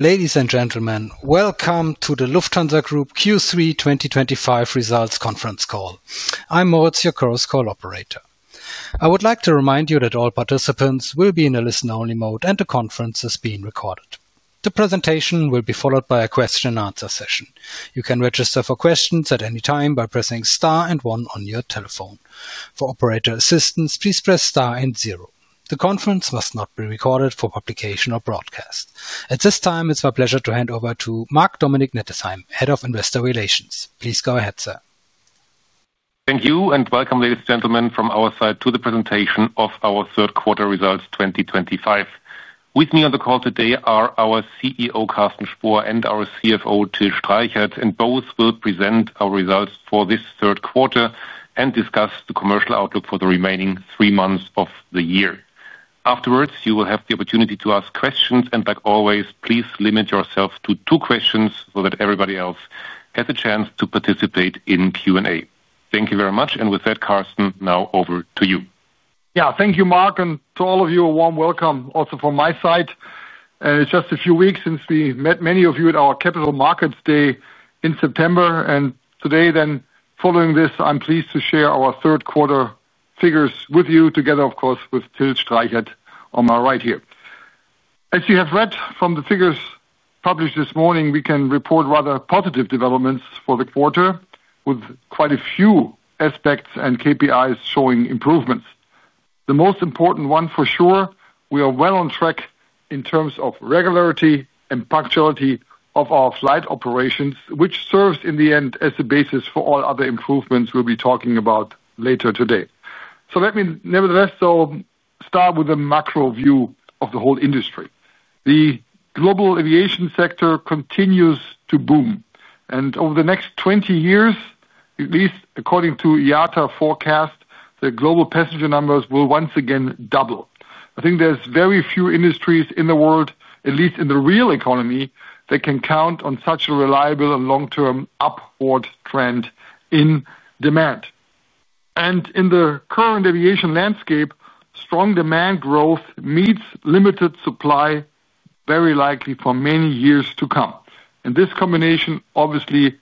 Ladies and gentlemen, welcome to the Lufthansa Group Q3 2025 results conference call. I'm Moritz, your call operator. I would like to remind you that all participants will be in a listen-only mode and the conference is being recorded. The presentation will be followed by a question and answer session. You can register for questions at any time by pressing star and one on your telephone. For operator assistance, please press star and zero. The conference must not be recorded for publication or broadcast at this time. It's my pleasure to hand over to Marc-Dominic Nettesheim, Head of Investor Relations, Please go ahead, sir. Thank you and welcome, ladies and gentlemen, from our side to the presentation of our third quarter results, 2025. With me on the call today are our CEO, Carsten Spohr, and our CFO, Till Streichert. Both will present our results for this third quarter and discuss the commercial outlook for the remaining three months of the year. Afterwards, you will have the opportunity to ask questions. Like always, please limit yourself to two questions so that everybody else has a chance to participate in Q and A. Thank you very much. With that, Carsten, now over to you. Yeah, thank you, Marc. To all of you, a warm welcome also from my side. It's just a few weeks since we met many of you at our Capital Markets Day in September. Today, following this, I'm pleased to share our third quarter figures with you, together of course with Till Streichert on my right here. As you have read from the figures published this morning, we can report rather positive developments for the quarter, with quite a few aspects and KPIs showing improvements. The most important one for sure, we are well on track in terms of regularity and punctuality of our flight operations, which serves in the end as a basis for all other improvements we'll be talking about later today. Let me nevertheless start with a macro view of the whole industry. The global aviation sector continues to boom, and over the next 20 years, at least according to IATA forecast, the global passenger numbers will once again double. I think there's very few industries in the world, at least in the real economy, that can count on such a reliable and long-term upward trend in demand. In the current aviation landscape, strong demand growth meets limited supply, very likely for many years to come. This combination obviously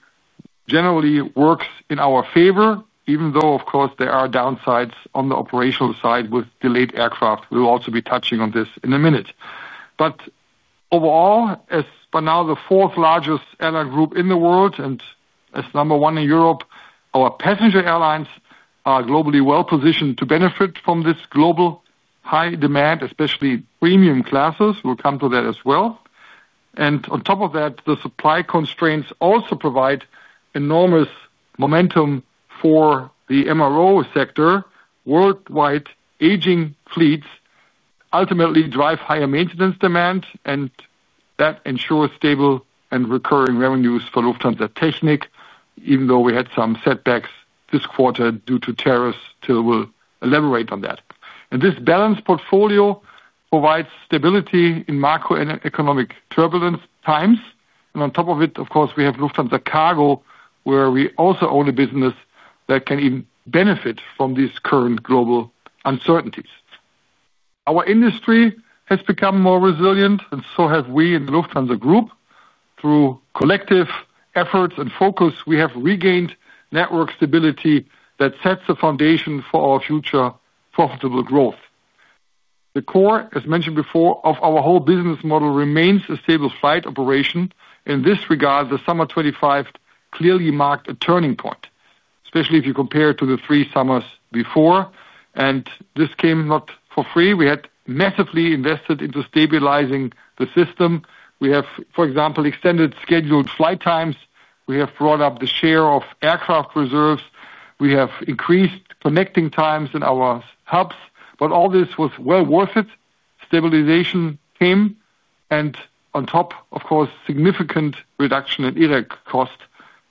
generally works in our favor, even though of course there are downsides on the operational side with delayed aircraft. We'll also be touching on this in a minute. Overall, as by now the fourth largest allied group in the world and as number one in Europe, our passenger airlines are globally well positioned to benefit from this global high demand, especially premium classes. We'll come to that as well. On top of that, the supply constraints also provide enormous momentum for the MRO sector worldwide. Aging fleets ultimately drive higher maintenance demand and that ensures stable and recurring revenues for Lufthansa Technik. Even though we had some setbacks this quarter due to tariffs, Till will elaborate on that. This balanced portfolio provides stability in macroeconomic turbulence times. On top of it, of course, we have Lufthansa Cargo, where we also own a business that can even benefit from these current global uncertainties. Our industry has become more resilient and so have we in the Lufthansa Group. Through collective efforts and focus, we have regained network stability that sets the foundation for our future profitable growth. The core, as mentioned before, of our whole business model remains a stable flight operation. In this regard, the summer 2025 clearly marked a turning point, especially if you compare to the three summers before. This came not for free. We had massively invested into stabilizing the system. We have, for example, extended scheduled flight times. We have brought up the share of aircraft reserves. We have increased connecting times in our hubs. All this was well worth it. Stabilization came. On top, of course, significant reduction in irregularity cost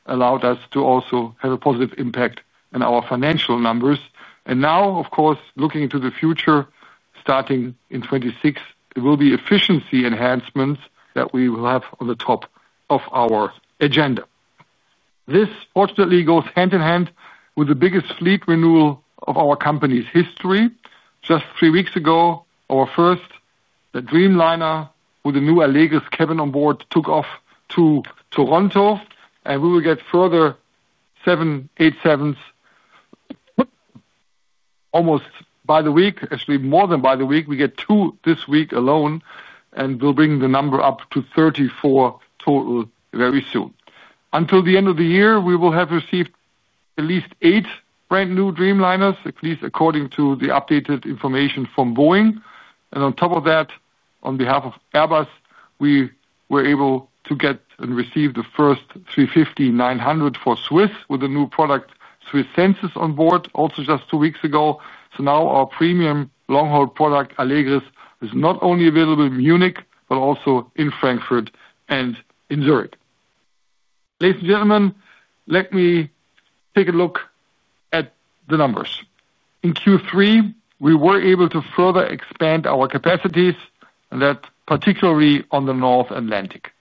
allowed us to also have a positive impact in our financial numbers. Now, of course, looking into the future, starting in 2026, it will be efficiency enhancements that we will have on the top of our agenda. This fortunately goes hand in hand with the biggest fleet renewal of our company's history. Just three weeks ago, our first Dreamliner with the new cabin on board took off to Toronto. We will get further 787s. Almost. By the week, actually more than by the week. We get two this week alone and we'll bring the number up to 34 total very soon. Until the end of the year, we will have received at least eight brand new Dreamliners, at least according to the updated information from Boeing. On top of that, on behalf of Airbus, we were able to get and receive the first 350-900 for SWISS with a new product, SWISS Senses, on board also just two weeks ago. Now our premium long haul product, Allegris, is not only available in Munich, but also in Frankfurt and in Zurich. Ladies and gentlemen, let me take a look at the numbers. In Q3, we were able to further expand our capacities, particularly on the North Atlantic.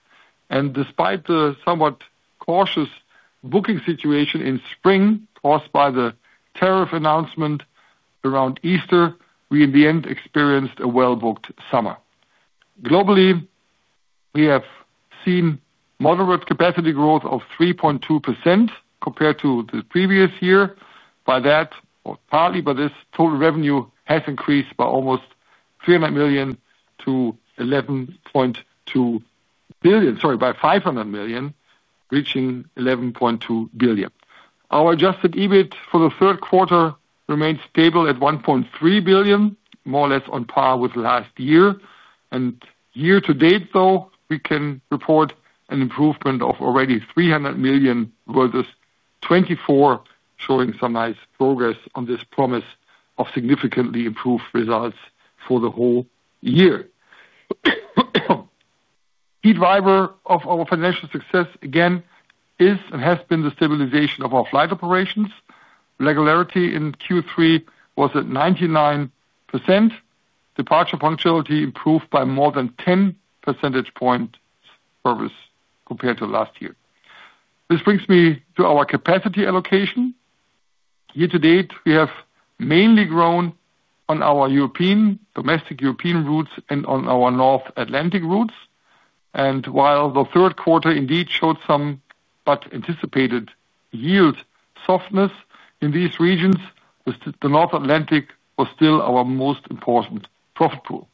Despite the somewhat cautious booking situation in spring caused by the tariff announcement around Easter, we in the end experienced a well booked summer. Globally, we have seen moderate capacity growth of 3.2% compared to the previous year. Partly by this, total revenue has increased by almost 300 million to 11.2 billion. Sorry, by 500 million, reaching 11.2 billion. Our adjusted EBIT for the third quarter remains stable at 1.3 billion, more or less on par with last year. Year to date though, we can report an improvement of already 300 million versus 2024, showing some nice progress on this promise of significantly improved results for the whole year. Key driver of our financial success again is and has been the stabilization of our flight operations. Regularity in Q3 was at 99%. Departure punctuality improved by more than 10 percentage points compared to last year. This brings me to our capacity allocation. Year to date, we have mainly grown on our European domestic European routes and on our North Atlantic routes. While the third quarter indeed showed some but anticipated yield softness in these regions, the North Atlantic was still our most important profit pool.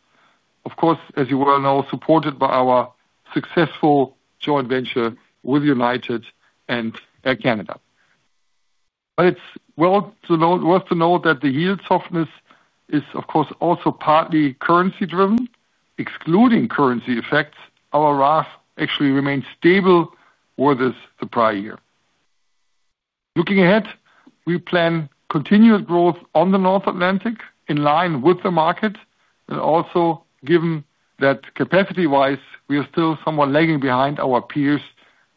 Of course, as you well know, supported by our successful joint venture with United and Air Canada. It is worth to note that the yield softness is of course also partly currency driven. Excluding currency effects, our RASK actually remains stable versus the prior year. Looking ahead, we plan continued growth on the North Atlantic in line with the market. Also, given that capacity wise we are still somewhat lagging behind our peers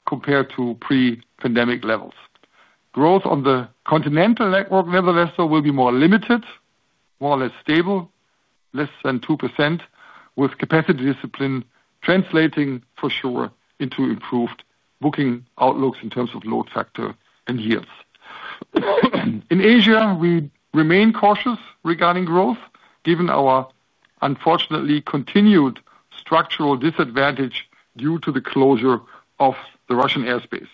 compared to pre-pandemic levels. Growth on the continental network nevertheless will be more limited, more or less stable, less than 2% with capacity discipline translating for sure into improved booking outlooks. In terms of load factor and yields in Asia, we remain cautious regarding growth given our unfortunately continued structural disadvantage due to the closure of the Russian airspace.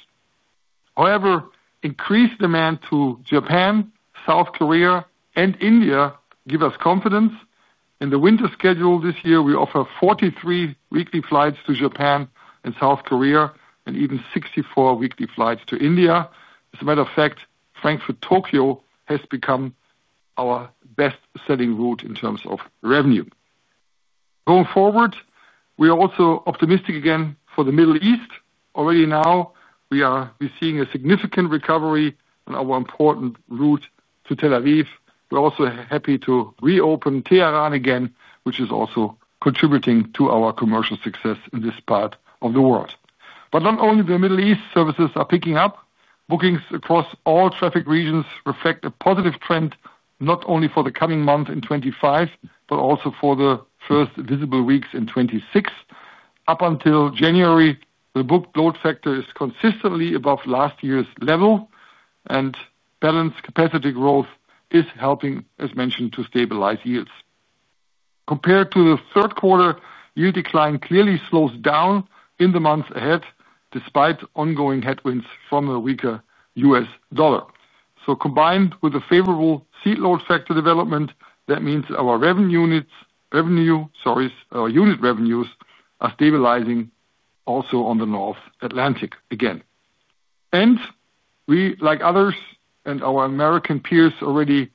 However, increased demand to Japan, South Korea, and India give us confidence in the winter schedule. This year we offer 43 weekly flights to Japan and South Korea and even 64 weekly flights to India. As a matter of fact, Frankfurt Tokyo has become our best selling route in terms of revenue going forward. We are also optimistic again for the Middle East. Already now we are seeing a significant recovery on our important route to Tel Aviv. We're also happy to reopen Tehran again, which is also contributing to our commercial success in this part of the world. Not only the Middle East. Services are picking up. Bookings across all traffic regions reflect a positive trend not only for the coming months in 2025, but also for the first visible weeks in 2026. Up until January, the booked load factor is consistently above last year's level and balanced capacity growth is helping, as mentioned, to stabilize yields compared to the third quarter. Yield decline clearly slows down in the months ahead despite ongoing headwinds from the weaker U.S. dollar. Combined with a favorable seat load factor development, that means our unit revenues are stabilizing also on the North Atlantic again and we like others and our American peers already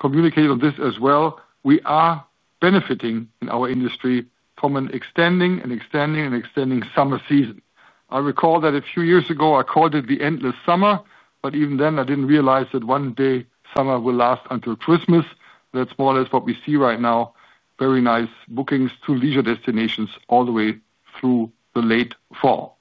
communicate on this as well. We are benefiting in our industry from an extending and extending and extending summer season. I recall that a few years ago I called it the endless summer, but even then I didn't realize that one day summer will last until Christmas. That's more or less what we see right now. Very nice bookings to leisure destinations all the way through the late fall.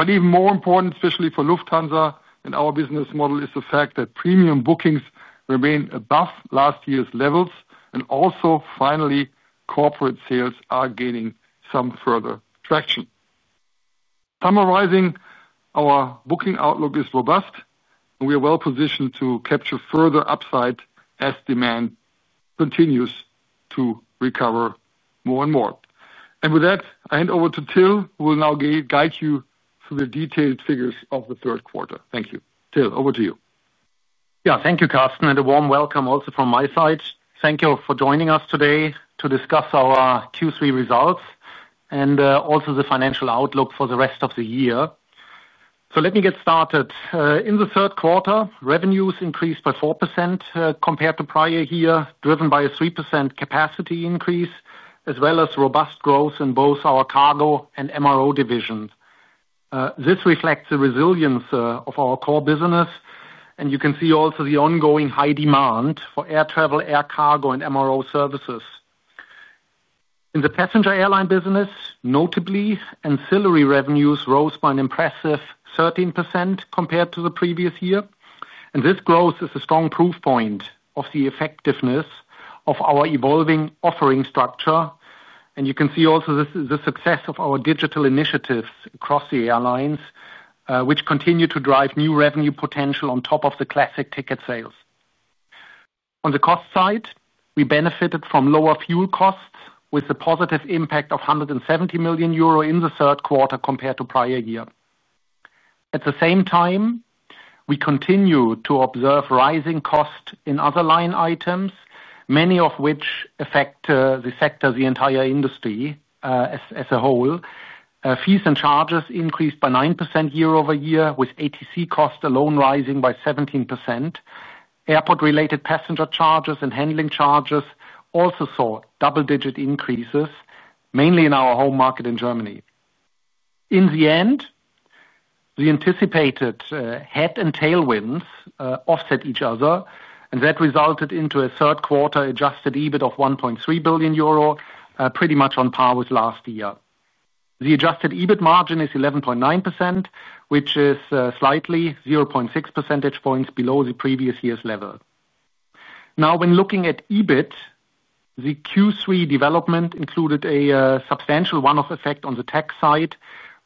Even more important, especially for Lufthansa and our business model, is the fact that premium bookings remain above last year's levels. Also finally, corporate sales are gaining some further traction. Summarizing, our booking outlook is robust and we are well positioned to capture further upside as demand continues to recover more and more. With that I hand over to Till who will now guide you through the detailed figures of the third quarter. Thank you, Till, over to you. Yes, thank you Carsten and a warm welcome also from my side. Thank you for joining us today to discuss our Q3 results and also the financial outlook for the rest of the year. Let me get started. In the third quarter, revenues increased by 4% compared to prior year, driven by a 3% capacity increase as well as robust growth in both our Cargo and MRO divisions. This reflects the resilience of our core business and you can see also the ongoing high demand for air travel, air cargo, and MRO services in the passenger airline business. Notably, ancillary revenues rose by an impressive 13% compared to the previous year and this growth is a strong proof point of the effectiveness of our evolving offering structure. You can see also the success of our digital initiatives across the airlines which continue to drive new revenue potential on top of the classic ticket sales. On the cost side, we benefited from lower fuel costs with the positive impact of 170 million euro in the third quarter compared to prior year. At the same time, we continue to observe rising cost in other line items, many of which affect the sector, the entire industry as a whole. Fees and charges increased by 9% year-over-year with ATC cost alone rising by 17%. Airport-related passenger charges and handling charges also saw double-digit increases, mainly in our home market in Germany. In the end, the anticipated head and tailwinds offset each other and that resulted in a third quarter adjusted EBIT of 1.3 billion euro, pretty much on par with last year. The adjusted EBIT margin is 11.9%, which is slightly 0.6 percentage points below the previous year's level. Now, when looking at EBIT, the Q3 development included a substantial one-off effect on the tax side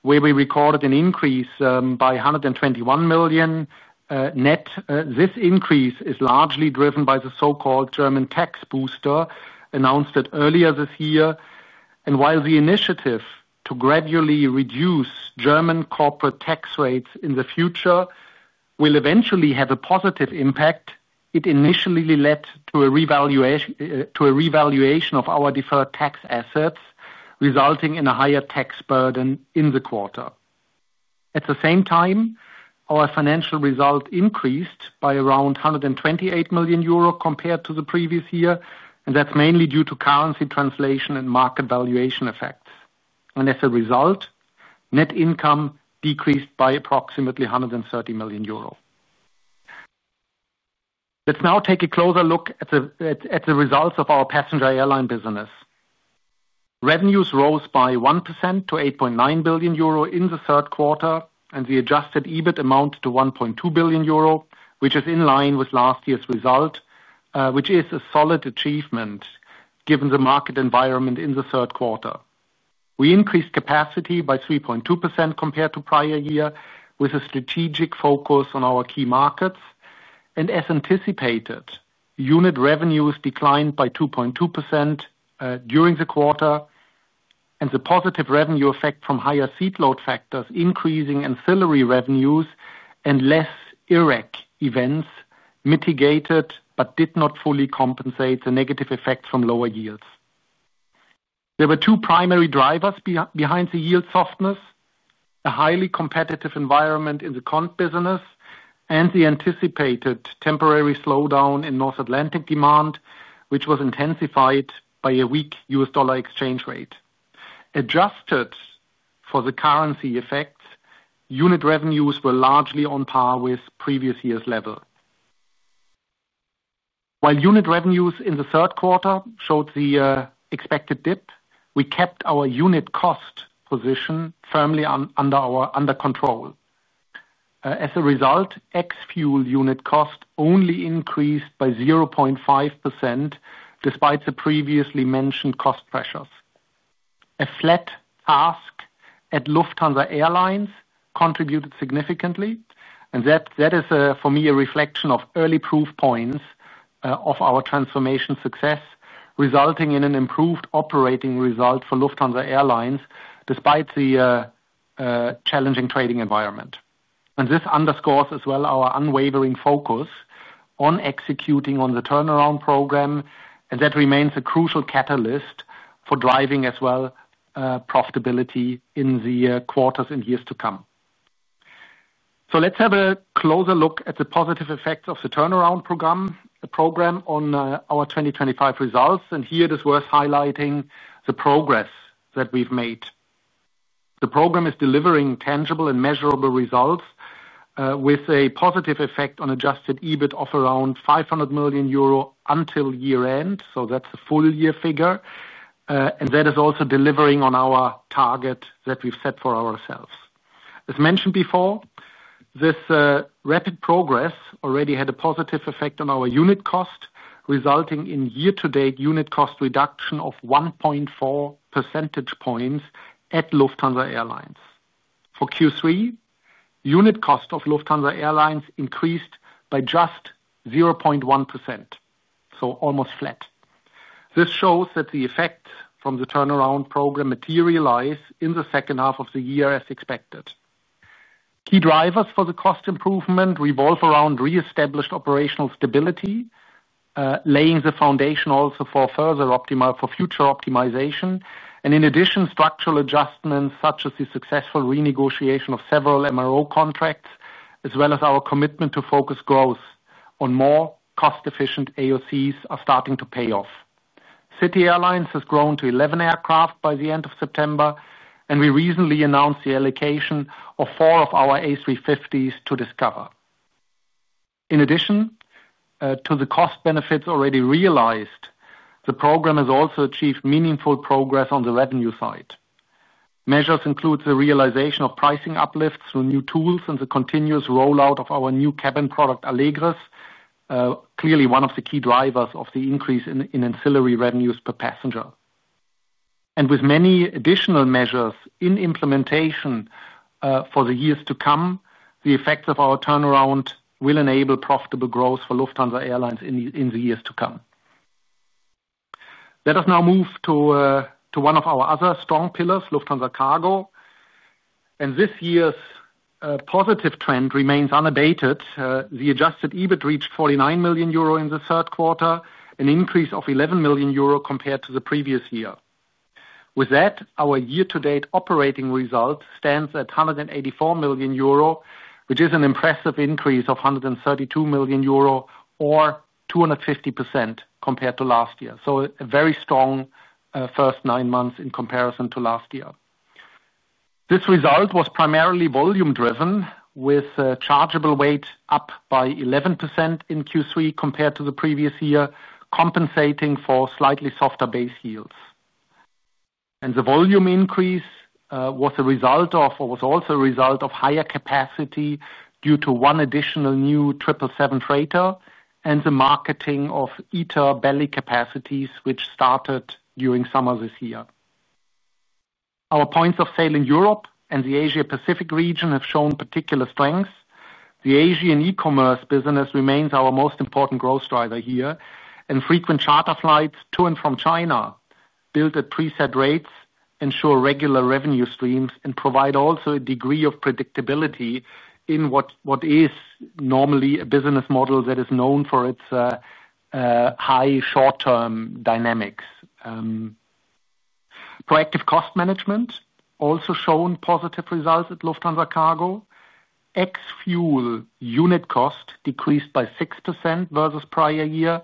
where we recorded an increase by 121 million net. This increase is largely driven by the so-called German tax booster announced earlier this year and while the initiative to gradually reduce German corporate tax rates in the future will eventually have a positive impact, it initially led to a revaluation of our deferred tax assets resulting in a higher tax burden in the quarter. At the same time, our financial result increased by around 128 million euro compared to the previous year and that's mainly due to currency translation and market valuation effects. As a result, net income decreased by approximately 130 million euros. Let's now take a closer look at the results of our passenger airline business. Revenues rose by 1% to 8.9 billion euro in the third quarter and the adjusted EBIT amounted to 1.2 billion euro, which is in line with last year's result. This is a solid achievement given the market environment. In the third quarter, we increased capacity by 3.2% compared to the prior year with a strategic focus on our key markets. As anticipated, unit revenues declined by 2.2% during the quarter and the positive revenue effect from higher seat load factors, increasing ancillary revenues, and fewer IRREG events mitigated but did not fully compensate the negative effects from lower yields. There were two primary drivers behind the yield softness: a highly competitive environment in the Condor business and the anticipated temporary slowdown in North Atlantic demand, which was intensified by a weak U.S. dollar exchange rate. Adjusted for the currency effects, unit revenues were largely on par with the previous year's level. While unit revenues in the third quarter showed the expected dip, we kept our unit cost position firmly under control. As a result, ex-fuel unit cost only increased by 0.5% despite the previously mentioned cost pressures. A flat CASK at Lufthansa Airlines contributed significantly, and that is for me a reflection of early proof points of our transformation success, resulting in an improved operating result for Lufthansa Airlines despite the challenging trading environment. This underscores as well our unwavering focus on executing on the Turnaround Program, and that remains a crucial catalyst for driving profitability in the quarters and years to come. Let's have a closer look at the positive effects of the Turnaround Program on our 2025 results, and here it is worth highlighting the progress that we've made. The program is delivering tangible and measurable results with a positive effect on adjusted EBIT of around 500 million euro until year end. That's a full year figure, and that is also delivering on our target that we've set for ourselves. As mentioned before, this rapid progress already had a positive effect on our unit cost, resulting in year-to-date unit cost reduction of 1.4 percentage points at Lufthansa Airlines. For Q3, unit cost of Lufthansa Airlines increased by just 0.1%, so almost flat. This shows that the effect from the Turnaround Program materialize in the second half of the year as expected. Key drivers for the cost improvement revolve around re-established operational stability, laying the foundation also for further optimal for future optimization. In addition, structural adjustments such as the successful renegotiation of several MRO contracts as well as our commitment to focus growth on more cost-efficient AOCs are starting to pay off. City Airlines has grown to 11 aircraft by the end of September, and we recently announced the allocation of four of our A350s to Discover. In addition to the cost benefits already realized, the program has also achieved meaningful progress on the revenue side. Measures include the realization of pricing uplifts through new tools and the continuous rollout of our new cabin product Allegris, clearly one of the key drivers of the increase in ancillary revenues per passenger. With many additional measures in implementation for the years to come, the effects of our turnaround will enable profitable growth for Lufthansa Airlines in the years to come. Let us now move to one of our other strong pillars, Lufthansa Cargo, and this year's positive trend remains unabated. The adjusted EBIT reached 49 million euro in the third quarter, an increase of 11 million euro compared to the previous year. With that, our year-to-date operating result stands at 184 million euro, which is an impressive increase of 132 million euro or 250% compared to last year. A very strong first nine months in comparison to last year. This result was primarily volume driven, with chargeable weight up by 11% in Q3 compared to the previous year, compensating for slightly softer base yields. The volume increase was also a result of higher capacity due to one additional new 777 freighter and the marketing of ITA belly capacities, which started during summer this year. Our points of sale in Europe and the Asia Pacific region have shown particular strength. The Asian e-commerce business remains our most important growth driver here, and frequent charter flights to and from China, built at preset rates, ensure regular revenue streams and provide also a degree of predictability in what is normally a business model that is known for its high short-term dynamics. Proactive cost management also shown positive results at Lufthansa Cargo. Ex fuel unit cost decreased by 6% versus prior year,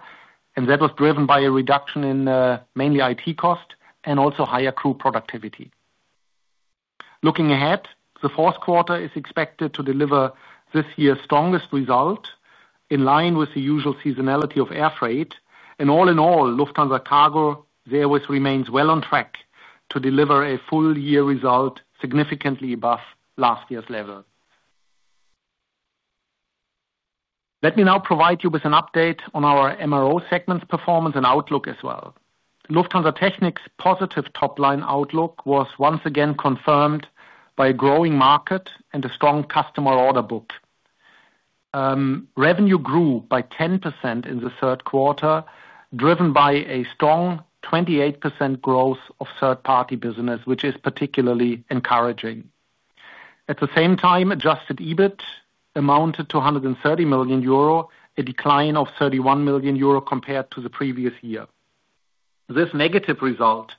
and that was driven by a reduction in mainly IT cost and also higher crew productivity. Looking ahead, the fourth quarter is expected to deliver this year's strongest result in line with the usual seasonality of airfreight, and all in all, Lufthansa Cargo therewith remains well on track to deliver a full year result significantly above last year's level. Let me now provide you with an update on our MRO segment's performance and outlook as well. Lufthansa Technik's positive top line outlook was once again confirmed by a growing market and a strong customer order book. Revenue grew by 10% in the third quarter, driven by a strong 28% growth of third party business, which is particularly encouraging. At the same time, adjusted EBIT amounted to 130 million euro, a decline of 31 million euro compared to the previous year. This negative result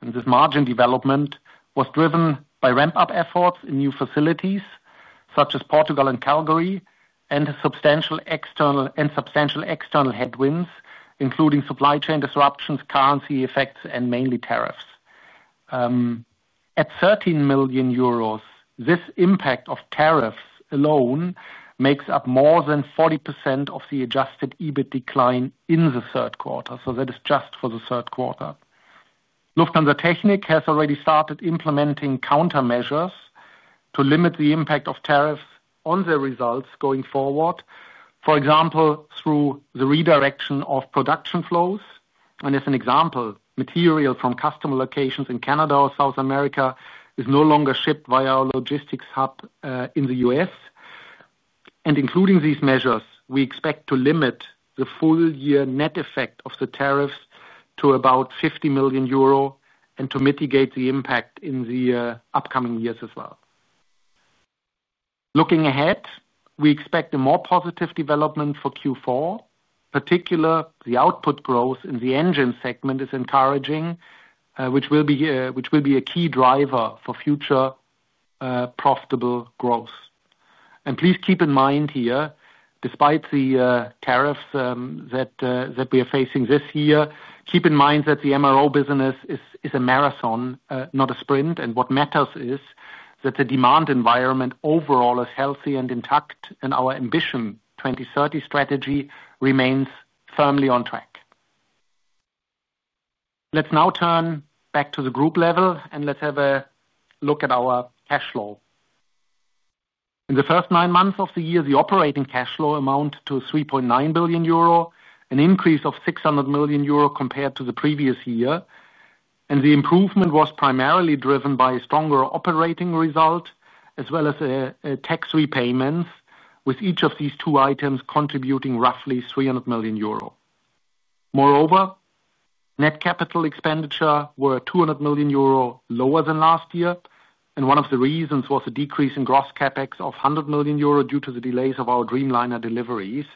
and this margin development was driven by ramp-up efforts in new facilities such as Portugal and Calgary and substantial external headwinds including supply chain disruptions, currency effects, and mainly tariffs at 13 million euros. This impact of tariffs alone makes up more than 40% of the adjusted EBIT decline in the third quarter. That is just for the third quarter. Lufthansa Technik has already started implementing countermeasures to limit the impact of tariffs on the results going forward, for example, through the redirection of production flows. As an example, material from customer locations in Canada or South America is no longer shipped via our logistics hub in the U.S., and including these measures, we expect to limit the full year net effect of the tariffs to about 50 million euro and to mitigate the impact in the upcoming years as well. Looking ahead, we expect a more positive development for Q4. In particular, the output growth in the engine segment is encouraging, which will be a key driver for future profitable growth. Please keep in mind here, despite the tariffs that we are facing this year, that the MRO business is a marathon, not a sprint, and what matters is that the demand environment overall is healthy and intact, and our Ambition 2030 strategy remains firmly on track. Let's now turn back to the group level and have a look at our cash flow. In the first nine months of the year, the operating cash flow amounted to 3.9 billion euro, an increase of 600 million euro compared to the previous year. The improvement was primarily driven by a stronger operating result as well as tax repayments, with each of these two items contributing roughly 300 million euro. Moreover, net capital expenditure was 200 million euro lower than last year, and one of the reasons was the decrease in gross CapEx of 100 million euro due to the delays of our Dreamliner deliveries.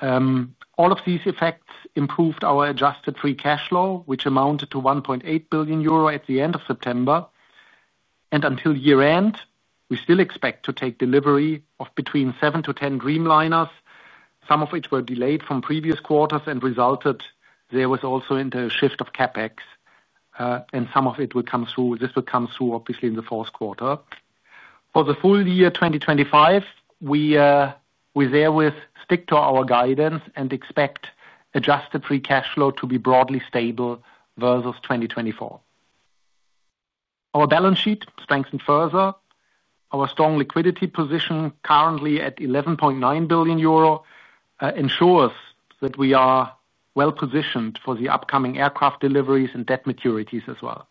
All of these effects improved our adjusted free cash flow, which amounted to 1.8 billion euro at the end of September. Until year end, we still expect to take delivery of between seven to ten Dreamliners, some of which were delayed from previous quarters. There was also a shift of CapEx, and some of it will come through. This will come through obviously in the fourth quarter. For the full year 2025, we stick to our guidance and expect adjusted free cash flow to be broadly stable versus 2024. Our balance sheet strengthened further. Our strong liquidity position, currently at 11.9 billion euro, ensures that we are well positioned for the upcoming aircraft deliveries and debt maturities as well.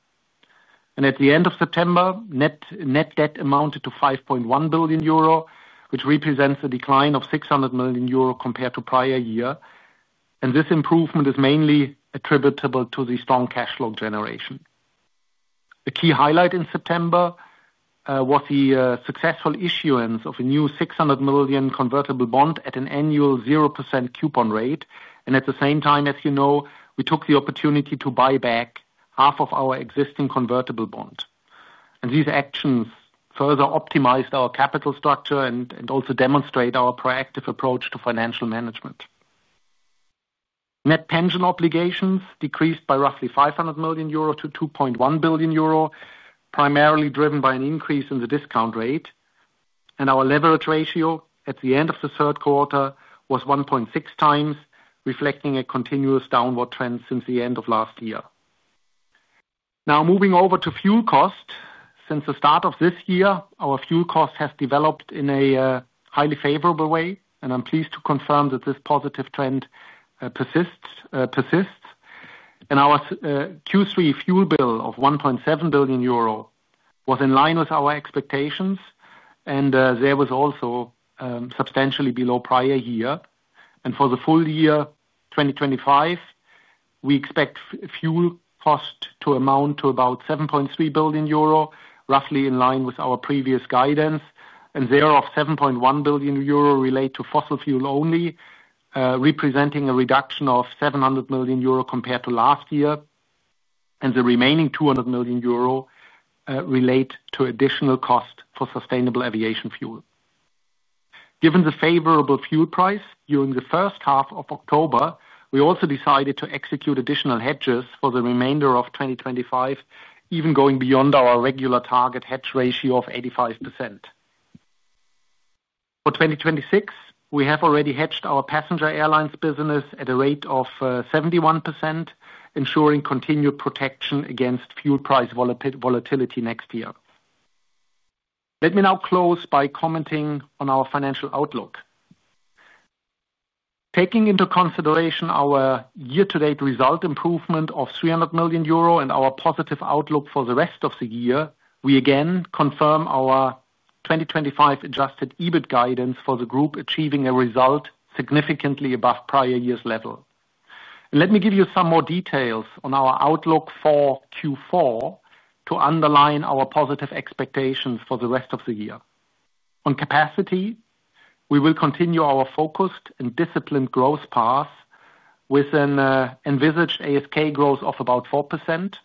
At the end of September, net debt amounted to 5.1 billion euro, which represents a decline of 600 million euro compared to prior year. This improvement is mainly attributable to the strong cash flow generation. The key highlight in September was the successful issuance of a new 600 million convertible bond at an annual 0% coupon rate. At the same time, as you know, we took the opportunity to buy back half of our existing convertible bond. These actions further optimized our capital structure and also demonstrate our proactive approach to financial management. Net pension obligations decreased by roughly 500 million euro to 2.1 billion euro, primarily driven by an increase in the discount rate. Our leverage ratio at the end of the third quarter was 1.6 times, reflecting a continuous downward trend since the end of last year. Now, moving over to fuel cost. Since the start of this year, our fuel cost has developed in a highly favorable way and I'm pleased to confirm that this positive trend persists. Our Q3 fuel bill of 1.7 billion euro was in line with our expectations and was also substantially below prior year. For the full year 2025, we expect fuel cost to amount to about 7.3 billion euro, roughly in line with our previous guidance and thereof 7.1 billion euro related to fossil fuel only, representing a reduction of 700 million euro compared to last year. The remaining 200 million euro relate to additional cost for sustainable aviation fuel. Given the favorable fuel price during the first half of October, we also decided to execute additional hedges for the remainder of 2025 even going beyond our regular target hedge ratio of 85%. For 2026, we have already hedged our passenger airlines business at a rate of 71%, ensuring continued protection against fuel price volatility next year. Let me now close by commenting on our financial outlook. Taking into consideration our year-to-date result improvement of 300 million euro and our positive outlook for the rest of the year, we again confirm our 2025 adjusted EBIT guidance for the group, achieving a result significantly above prior year's level. Let me give you some more details on our outlook for Q4 to underline our positive expectations for the rest of the year. On capacity, we will continue our focused and disciplined growth path with an envisaged AFK growth of about 4%.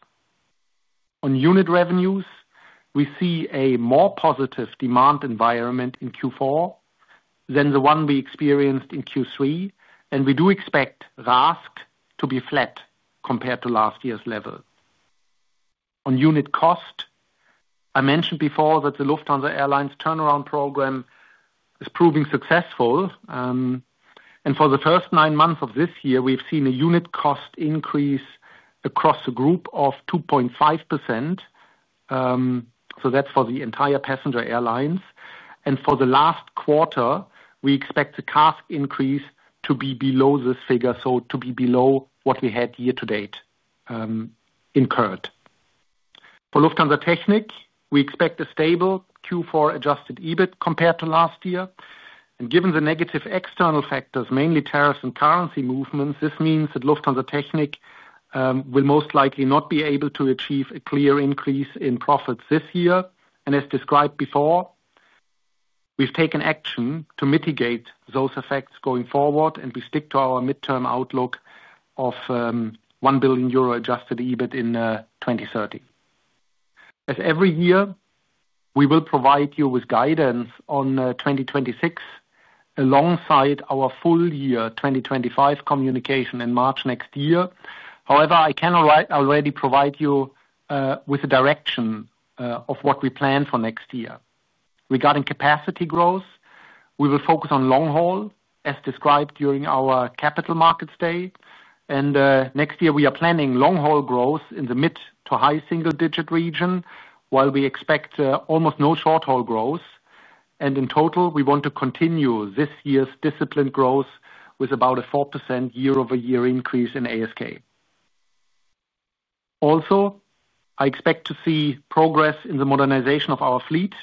On unit revenues, we see a more positive demand environment in Q4 than the one we experienced in Q3 and we do expect RASK to be flat compared to last year's level on unit cost. I mentioned before that the Lufthansa Airlines Turnaround Program is proving successful and for the first nine months of this year we've seen a unit cost increase across the group of 2.5%. That's for the entire passenger airlines and for the last quarter we expect the CASK increase to be below this figure, to be below what we had year to date. For Lufthansa Technik, we expect a stable Q4 adjusted EBIT compared to last year, and given the negative external factors, mainly tariffs and currency movements, this means that Lufthansa Technik will most likely not be able to achieve a clear increase in profits this year. As described before, we've taken action to mitigate those effects going forward and we stick to our mid-term outlook of 1 billion euro adjusted EBIT in 2030. As every year, we will provide you with guidance on 2026 alongside our full year 2025 communication in March next year. However, I can already with the direction of what we plan for next year. Regarding capacity growth, we will focus on long-haul as described during our capital markets day, and next year we are planning long-haul growth in the mid to high single-digit region, while we expect almost no short-haul growth. In total, we want to continue this year's disciplined growth with about a 4% year-on-year increase in ASK. Also, I expect to see progress in the modernization of our fleet.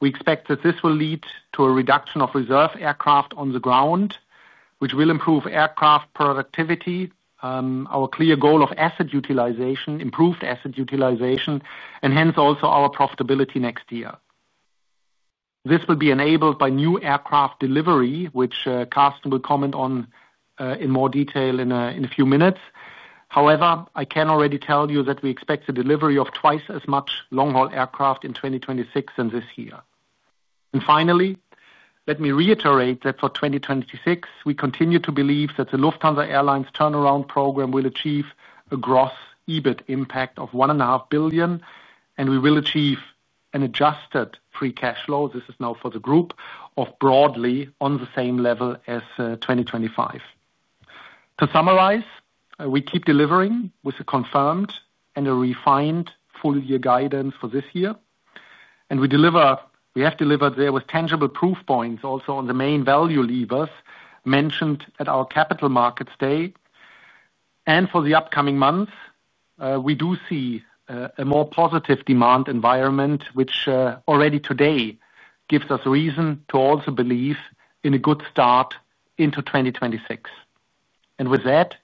We expect that this will lead to a reduction of reserve aircraft on the ground, which will improve aircraft productivity. Our clear goal is asset utilization, improved asset utilization, and hence also our profitability next year. This will be enabled by new aircraft delivery, which Carsten will comment on in more detail in a few minutes. However, I can already tell you that we expect the delivery of twice as much long-haul aircraft in 2026 than this year. Finally, let me reiterate that for 2026 we continue to believe that the Lufthansa Airlines Turnaround Program will achieve a gross EBIT impact of 1.5 billion and we will achieve an adjusted free cash flow, this is now for the group, of broadly on the same level as 2025. To summarize, we keep delivering with a confirmed and a refined full year guidance for this year and we have delivered there with tangible proof points. Also on the main value levers mentioned at our Capital Markets Day and for the upcoming months, we do see a more positive demand environment, which already today gives us reason to also believe that in a good start into 2026. With that,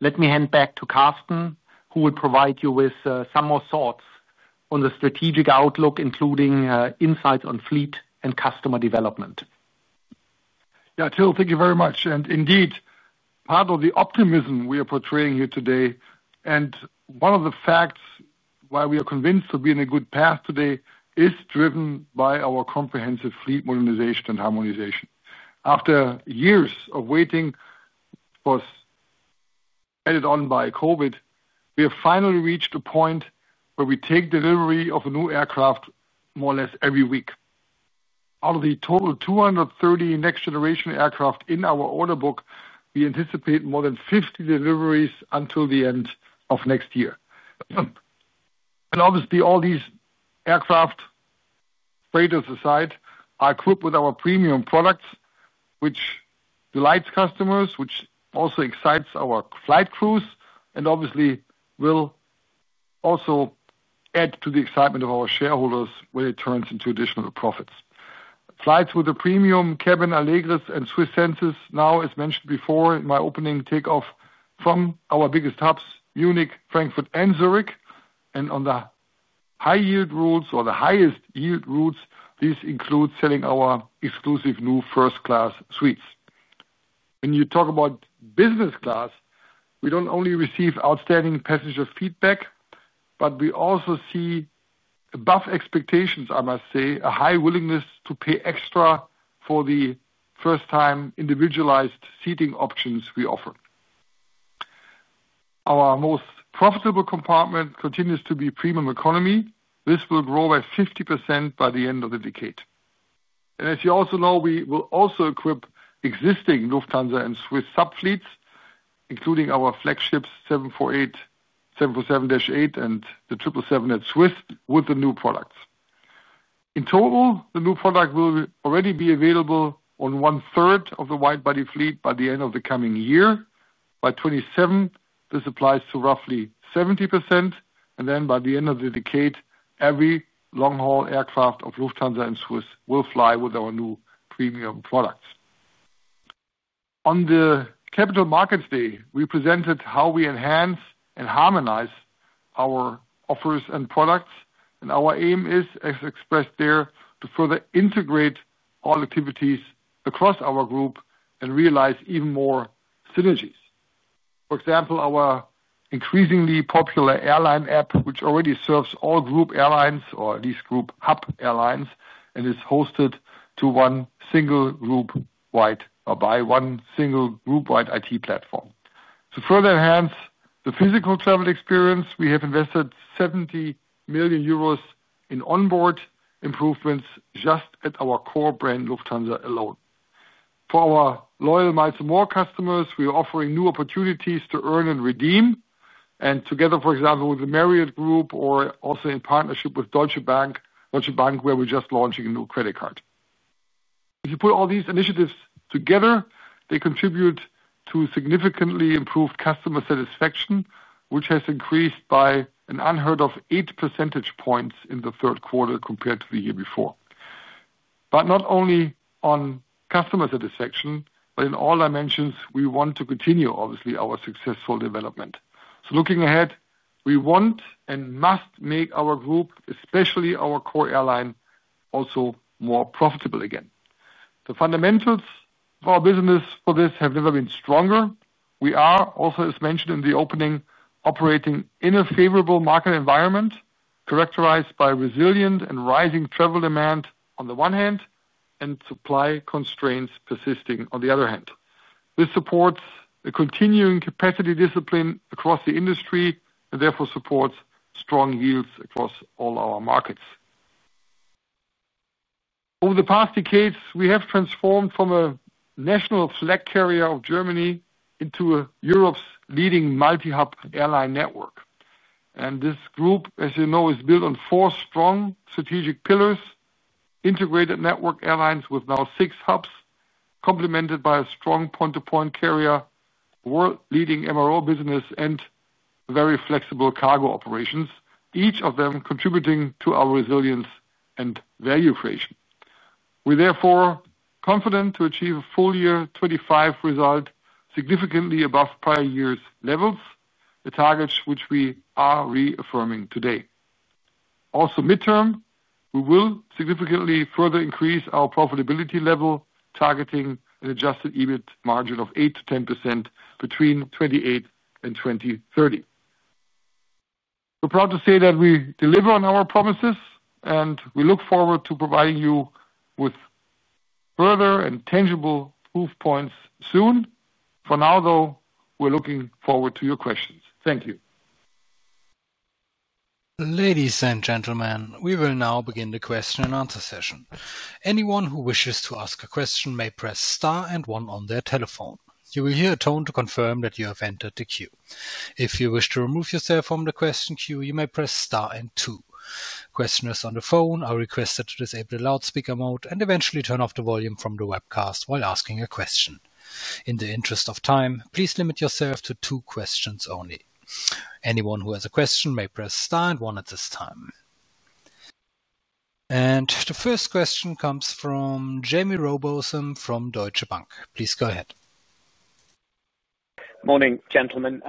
let me hand back to Carsten, who will provide you with some more thoughts on the strategic outlook, including insights on fleet and customer development. Yeah Till, thank you very much. Indeed, part of the optimism we are portraying here today and one of the facts why we are convinced that we're on a good path today is driven by our comprehensive fleet modernization and harmonization. After years of waiting, which was added on by COVID, we have finally reached a point where we take delivery of a new aircraft more or less every week. Out of the total 230 next generation aircraft in our order book, we anticipate more than 50 deliveries until the end of next year. Obviously, all these aircraft, freighters aside, are equipped with our premium products, which delights customers, which also excites our flight crews, and obviously will also add to the excitement of our shareholders when it turns into additional profits. Flights with the premium cabin Allegris and SWISS Senses, now as mentioned before in my opening, take off from our biggest hubs, Munich, Frankfurt, and Zurich. On the high yield routes, or the highest yield routes, these include selling our exclusive new first class suites. When you talk about business class, we don't only receive outstanding passenger feedback, but we also see above expectations, I must say, a high willingness to pay extra for the first time, individualized seating options we offer. Our most profitable compartment continues to be premium economy. This will grow by 50% by the end of the decade. As you also know, we will also equip existing Lufthansa and SWISS sub fleets, including our flagships 747-8 and the 777 at SWISS, with the new products. In total, the new product will already be available on one third of the widebody fleet by the end of the coming year. By 2027, this applies to roughly 70%. By the end of the decade, every long haul aircraft of Lufthansa and SWISS will fly with our new premium products. On the capital markets day, we presented how we enhance and harmonize our offers and products. Our aim is, as expressed there, to further integrate all activities across our group and realize even more synergies. For example, our increasingly popular airline app, which already serves all group airlines, or at least group hub airlines, and is hosted by one single group wide IT platform. To further enhance the physical travel experience, we have invested 70 million euros in onboard improvements just at our core brand Lufthansa alone. For our loyal Miles & More customers, we are offering new opportunities to earn and redeem. For example, together with the Marriott group or also in partnership with Deutsche Bank, where we're just launching a new credit card. If you put all these initiatives together, they contribute to significantly improved customer satisfaction, which has increased by an unheard of 8 percentage points in the third quarter compared to the year before. Not only on customer satisfaction, but in all dimensions, we want to continue obviously our successful development. Looking ahead, we want and must make our group, especially our core airline, also more profitable. Again, the fundamentals of our business for this have never been stronger. We are also, as mentioned in the opening, operating in a favorable market environment characterized by resilient and rising travel demand on the one hand and supply constraints persisting on the other hand. This supports a continuing capacity discipline across the industry and therefore supports strong yields across all our markets. Over the past decades, we have transformed from a national flag carrier of Germany into Europe's leading multi-hub airline network. This group, as you know, is built on four strong strategic pillars: integrated network airlines with now six hubs, complemented by a strong point-to-point carrier, world-leading MRO business, and very flexible cargo operations. Each of them contributes to our resilience and value creation. We are therefore confident to achieve a full year 2025 result significantly above prior year's levels, the targets which we are reaffirming today. Also midterm, we will significantly further increase our profitability level, targeting an adjusted EBIT margin of 8%-10% between 2028 and 2030. We're proud to say that we deliver on our promises and we look forward to providing you with further and tangible proof points soon. For now though, we're looking forward to your questions. Thank you. Ladies and gentlemen. We will now begin the question and answer session. Anyone who wishes to ask a question may press star and one on their phone. You will hear a tone to confirm that you have entered the queue. If you wish to remove yourself from the question queue, you may press star and two. Questioners on the phone are requested to disable the loudspeaker mode and eventually turn off the volume from the webcast while asking a question. In the interest of time, please limit yourself to two questions only. Anyone who has a question may press star one at this time. The first question comes from Jaime Rowbotham from Deutsche Bank. Please go ahead. Morning gentlemen.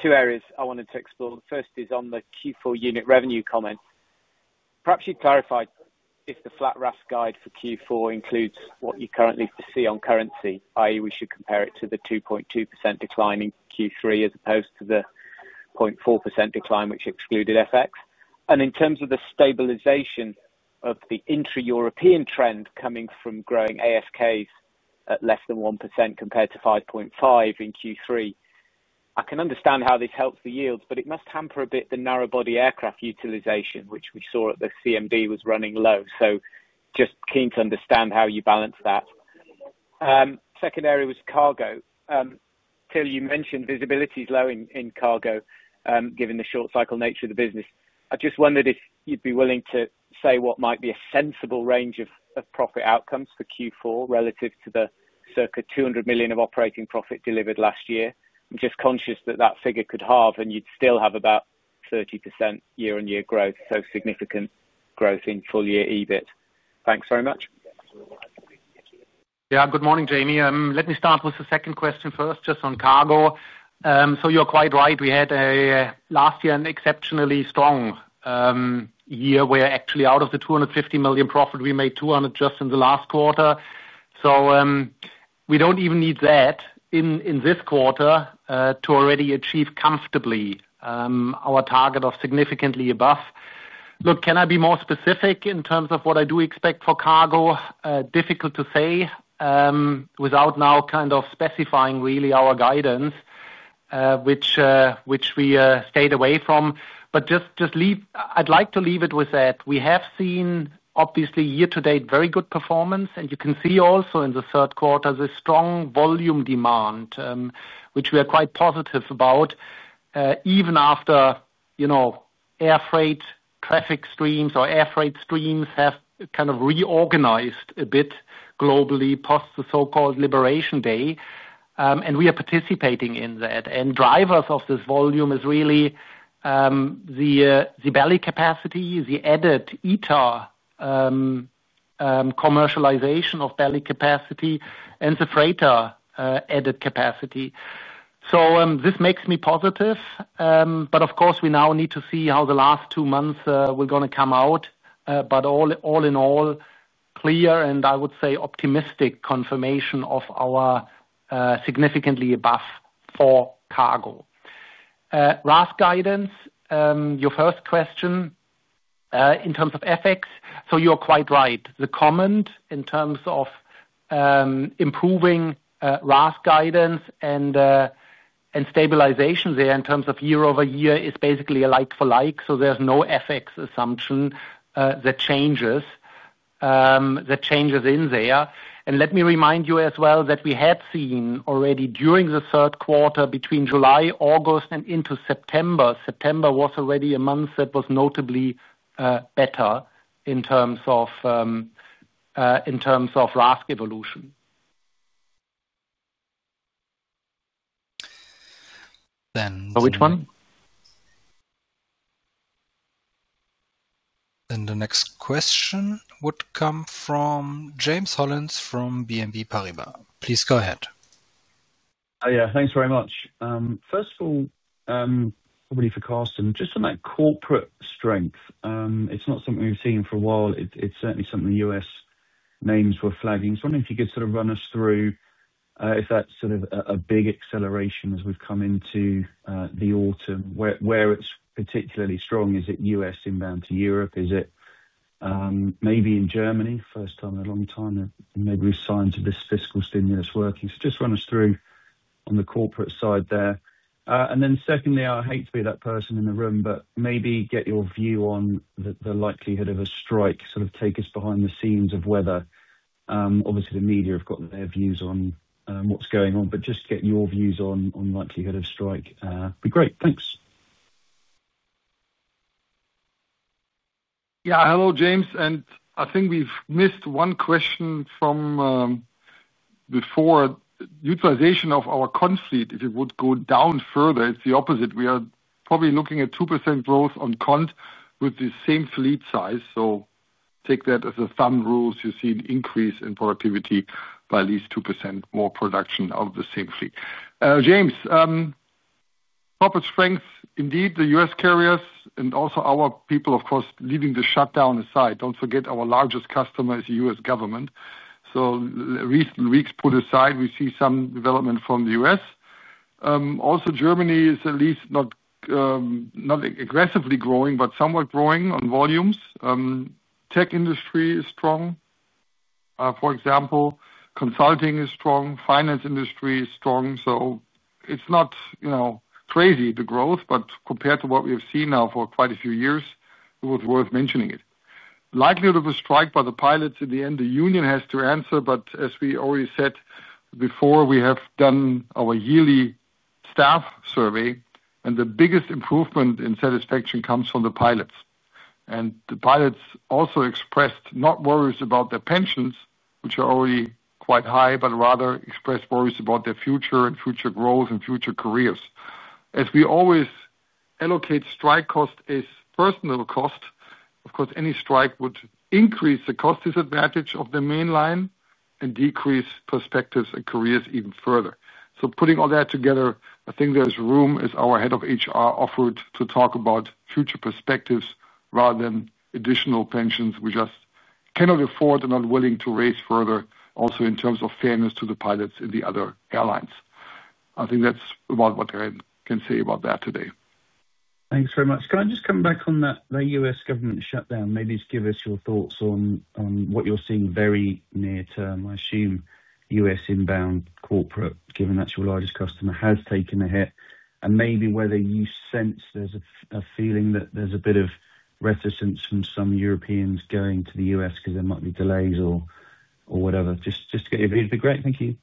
Two areas I wanted to explore. The first is on the Q4 unit revenue comment. Perhaps you'd clarify if the flat RASK guide for Q4 includes what you currently see on currency, that is we should compare it to the 2.2% decline in Q3 as opposed to the 0.4% decline which excluded FX. In terms of the stabilization of the intra-European trend coming from growing ASK at less than 1% compared to 5.5% in Q3, I can understand how this helps the yields, but it must hamper a bit the narrowbody aircraft utilization which we saw at the CMD was running low. Just keen to understand how you balance that. Second area was Cargo. Till, you mentioned visibility is low in Cargo given the short cycle nature of the business. I just wondered if you'd be willing to say what might be a sensible range of profit outcomes for Q4 relative to the circa 200 million of operating profit delivered last year. I'm just conscious that figure could halve and you'd still have about 30% year-on-year growth. Significant growth in full year adjusted EBIT, thanks very much. Yes, good morning Jaime. Let me start with the second question first, just on cargo. You're quite right, we had last year an exceptionally strong year where actually out of the 250 million profit we made 200 million just in the last quarter. We don't even need that in this quarter to already achieve comfortably our target of significantly above. Can I be more specific in terms of what I do expect for cargo? Difficult to say without now kind of specifying really our guidance which we stayed away from. I'd like to leave it with that. We have seen obviously year to date very good performance and you can see also in the third quarter the strong volume demand which we are quite positive about even after, you know, air freight traffic streams or air freight streams have kind of reorganized a bit globally post the so-called liberation day and we are participating in that and drivers of this volume is really the belly capacity, the added commercialization of belly capacity and the freighter added capacity. This makes me positive. Of course we now need to see how the last two months are going to come out. All in all, clear and I would say optimistic confirmation of our significantly above for cargo. RASK guidance. Your first question in terms of FX. You're quite right the comment in terms of improving RASK guidance and stabilization there in terms of year over year is basically a like for like. There's no FX assumption that changes the changes in there. Let me remind you as well that we had seen already during the third quarter between July, August and into September. September was already a month that was notably better in terms of RASK evolution. Which one? The next question would come from James Hollins from BNP Paribas. Please go ahead. Yeah, thanks very much. First of all for Carsten, just on that corporate strength, it's not something we've seen for a while. It's certainly something the U.S. names were flagging. Wondering if you could sort of run us through if that's sort of a big acceleration as we've come into the autumn where it's particularly strong. Is it U.S. inbound to Europe? Is it maybe in Germany, first time in a long time. Maybe signs of this fiscal stimulus working. Just run us through on the corporate side there and then. Secondly, I hate to be that person in the room but maybe get your view on the likelihood of a strike. Take us behind the scenes of whether. Obviously the media have got their views on what's going on, but just get your views on likelihood of strike. Be great. Thanks. Yeah. Hello James. I think we've missed one question from before. Utilization of our Condor fleet. If you would go down further. It's the opposite. We are probably looking at 2% growth on Condor with the same fleet size. Take that as a thumb rule. You see an increase in productivity by at least 2% more production of the same fleet. James, corporate strength indeed. The U.S. carriers and also our people of course leading the shutdown aside, don't forget our largest customer is the U.S. Government. Recent weeks put aside, we see some development from the U.S. Also, Germany is at least not aggressively growing, but somewhat growing on volumes. Tech industry is strong, for example, consulting is strong, finance industry is strong. It's not crazy, the growth. Compared to what we have seen now for quite a few years, it was worth mentioning it. Likelihood of a strike by the pilots. In the end, the union has to answer. As we already said before, we have done our yearly staff survey and the biggest improvement in satisfaction comes from the pilots. The pilots also expressed not worries about their pensions, which are already quite high, but rather express worries about their future and future growth and future careers. As we always allocate strike cost as personnel cost, any strike would increase the cost disadvantage of the main line and decrease perspectives and careers even further. Putting all that together, I think there's room as our Head of HR offered to talk about future perspectives rather than additional pensions. We just cannot afford and are willing to raise further. Also, in terms of fairness to the pilots in the other airlines, I think that's about what [Darian] can say about that today. Thanks very much. Can I just come back on that? The U.S. government shutdown, maybe just give us your thoughts on what you're seeing very near term. I assume U.S. inbound corporate, given that your largest customer has taken a hit, and maybe whether you sense there's a feeling that there's a bit of reticence from some Europeans going to the U.S. because there might be delays or whatever. Just to get your view would be great. Thank you.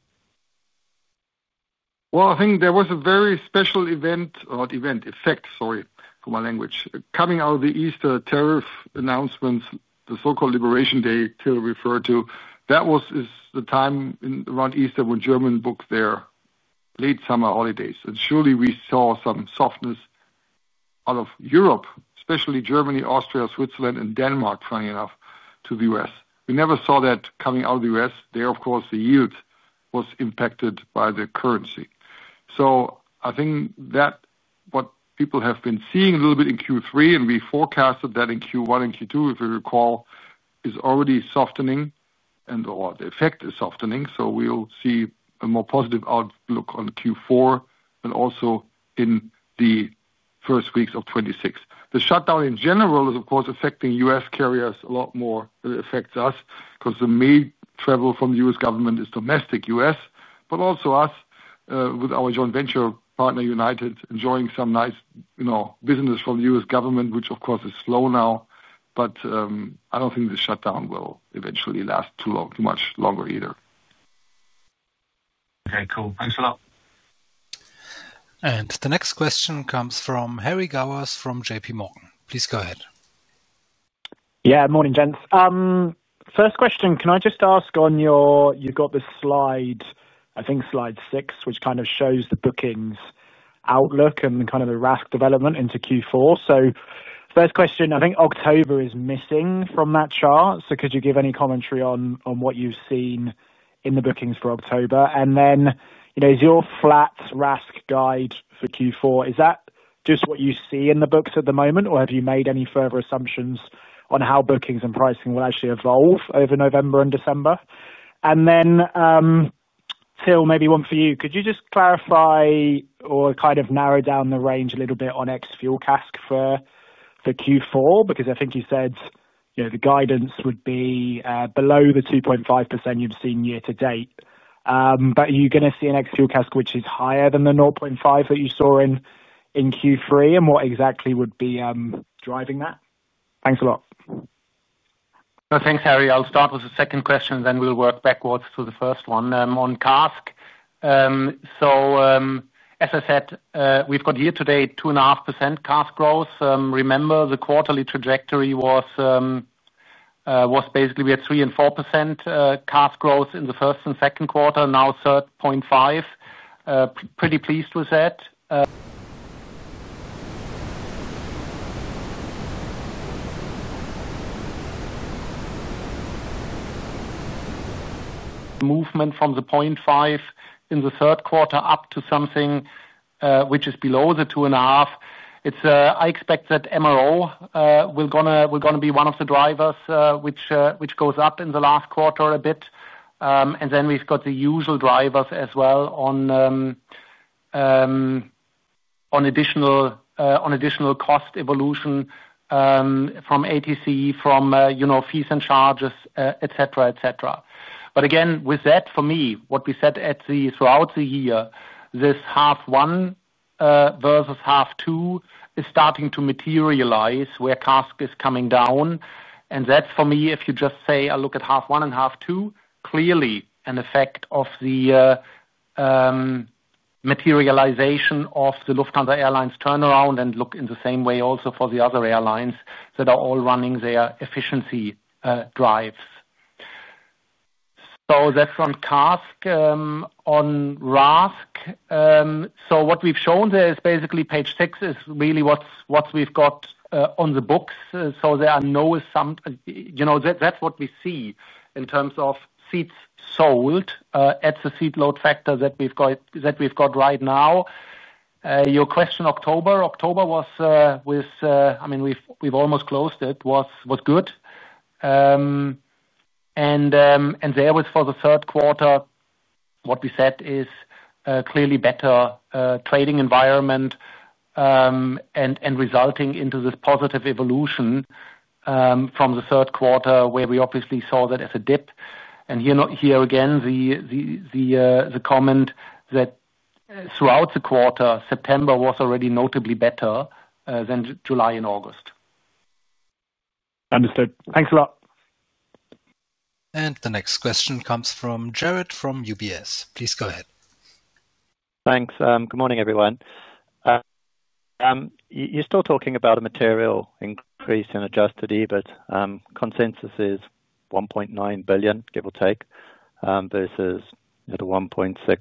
I think there was a very special event, not event effect, sorry for my language, coming out of the Easter tariff announcements. The so-called Liberation Day Till referred to, that was the time around Easter when Germans booked their late summer holidays. Surely, we saw some softness out of Europe, especially Germany, Austria, Switzerland, and Denmark. Funny enough, to the U.S. we never saw that. Coming out of the U.S., there, of course, the yield was impacted by the currency. I think that what people have been seeing a little bit in Q3, and we forecasted that in Q1 and Q2, if you recall, is already softening and the effect is softening. We'll see a more positive outlook on Q4 and also in the first weeks of 2026. The shutdown in general is, of course, affecting U.S. carriers a lot more than it affects us because the main travel from the U.S. government is domestic U.S., but also us with our joint venture partner United enjoying some nice business from the U.S. government, which, of course, is slow now. I don't think the shutdown will eventually last too much longer either. Okay, cool. Thanks a lot. The next question comes from Harry Gowers from JPMorgan. Please go ahead. Yeah, morning gents. First question, can I just ask on your, you've got the slide, I think Slide 6, which kind of shows the bookings outlook and kind of the RASK development into Q4. First question, I think October is missing from that chart. Could you give any commentary on what you've seen in the bookings for October? Is your flat RASK guide for Q4 just what you see in the books at the moment, or have you made any further assumptions on how bookings and pricing will actually evolve over November and December? Till, maybe one for you, could you just clarify or kind of narrow down the range a little bit on ex-fuel CASK for Q4? I think you said the guidance would be below the 2.5% you've seen year to date, but are you going to see an ex-fuel CASK which is higher than the 0.5% that you saw in Q3? What exactly would be driving that? Thanks a lot. Thanks, Harry. I'll start with the second question, then we'll work backwards to the first one on CASK. As I said, we've got year to date 2.5% CASK growth. Remember the quarterly trajectory was basically we had 3% and 4% CASK growth in the first and second quarter. Now third 0.5%. Pretty pleased with that movement from the 0.5% in the third quarter up to something which is below the 2.5%. I expect that MRO, we're going to be one of the drivers which goes up in the last quarter a bit. We've got the usual drivers as well on additional cost evolution from ATC, from fees and charges, et cetera, et cetera. For me, what we said throughout the year, this half one versus half two is starting to materialize where CASK is coming down. That's for me, if you just say I look at half one and half two, clearly an effect of the materialization of the Lufthansa Airlines turnaround. In the same way also for the other airlines that are all running their efficiency drives. That's on CASK. On RASK, what we've shown there is basically page six is really what we've got on the books. There are no, you know, that's what we see in terms of seats sold at the seat load factor that we've got right now. Your question. October. October was, I mean we've almost closed. It was good. For the third quarter what we said is clearly better trading environment and resulting into this positive evolution from the third quarter where we obviously saw that as a dip. Here again the comment that throughout the quarter September was already notably better than July and August. Understood. Thanks a lot. The next question comes from Jarrod from UBS. Please go ahead. Thanks. Good morning everyone. You're still talking about a material increase in adjusted EBIT. Consensus is 1.9 billion, give or take, versus at 1.6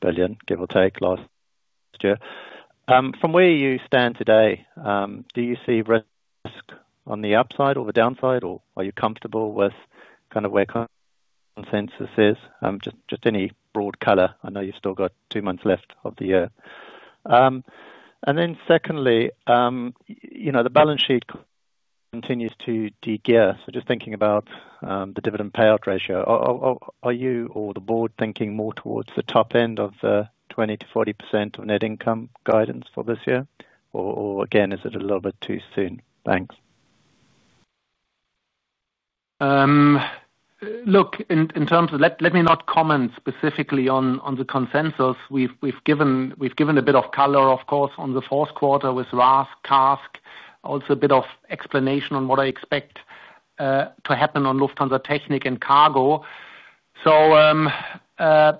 billion, give or take, last year. From where you stand today, do you see risk on the upside or the downside? Are you comfortable with kind of where consensus is, just any broad color? I know you've still got two months left of the year. Secondly, the balance sheet continues to de-gear. Just thinking about the dividend payout ratio, are you or the board thinking more towards the top end of the 20%-40% of net income guidance for this year, or is it a little bit too soon? Thanks. Look, in terms of, let me not comment specifically on the consensus. We've given a bit of color of course on the fourth quarter with RASK CASK, also a bit of explanation on what I expect to happen on Lufthansa Technik and Cargo. I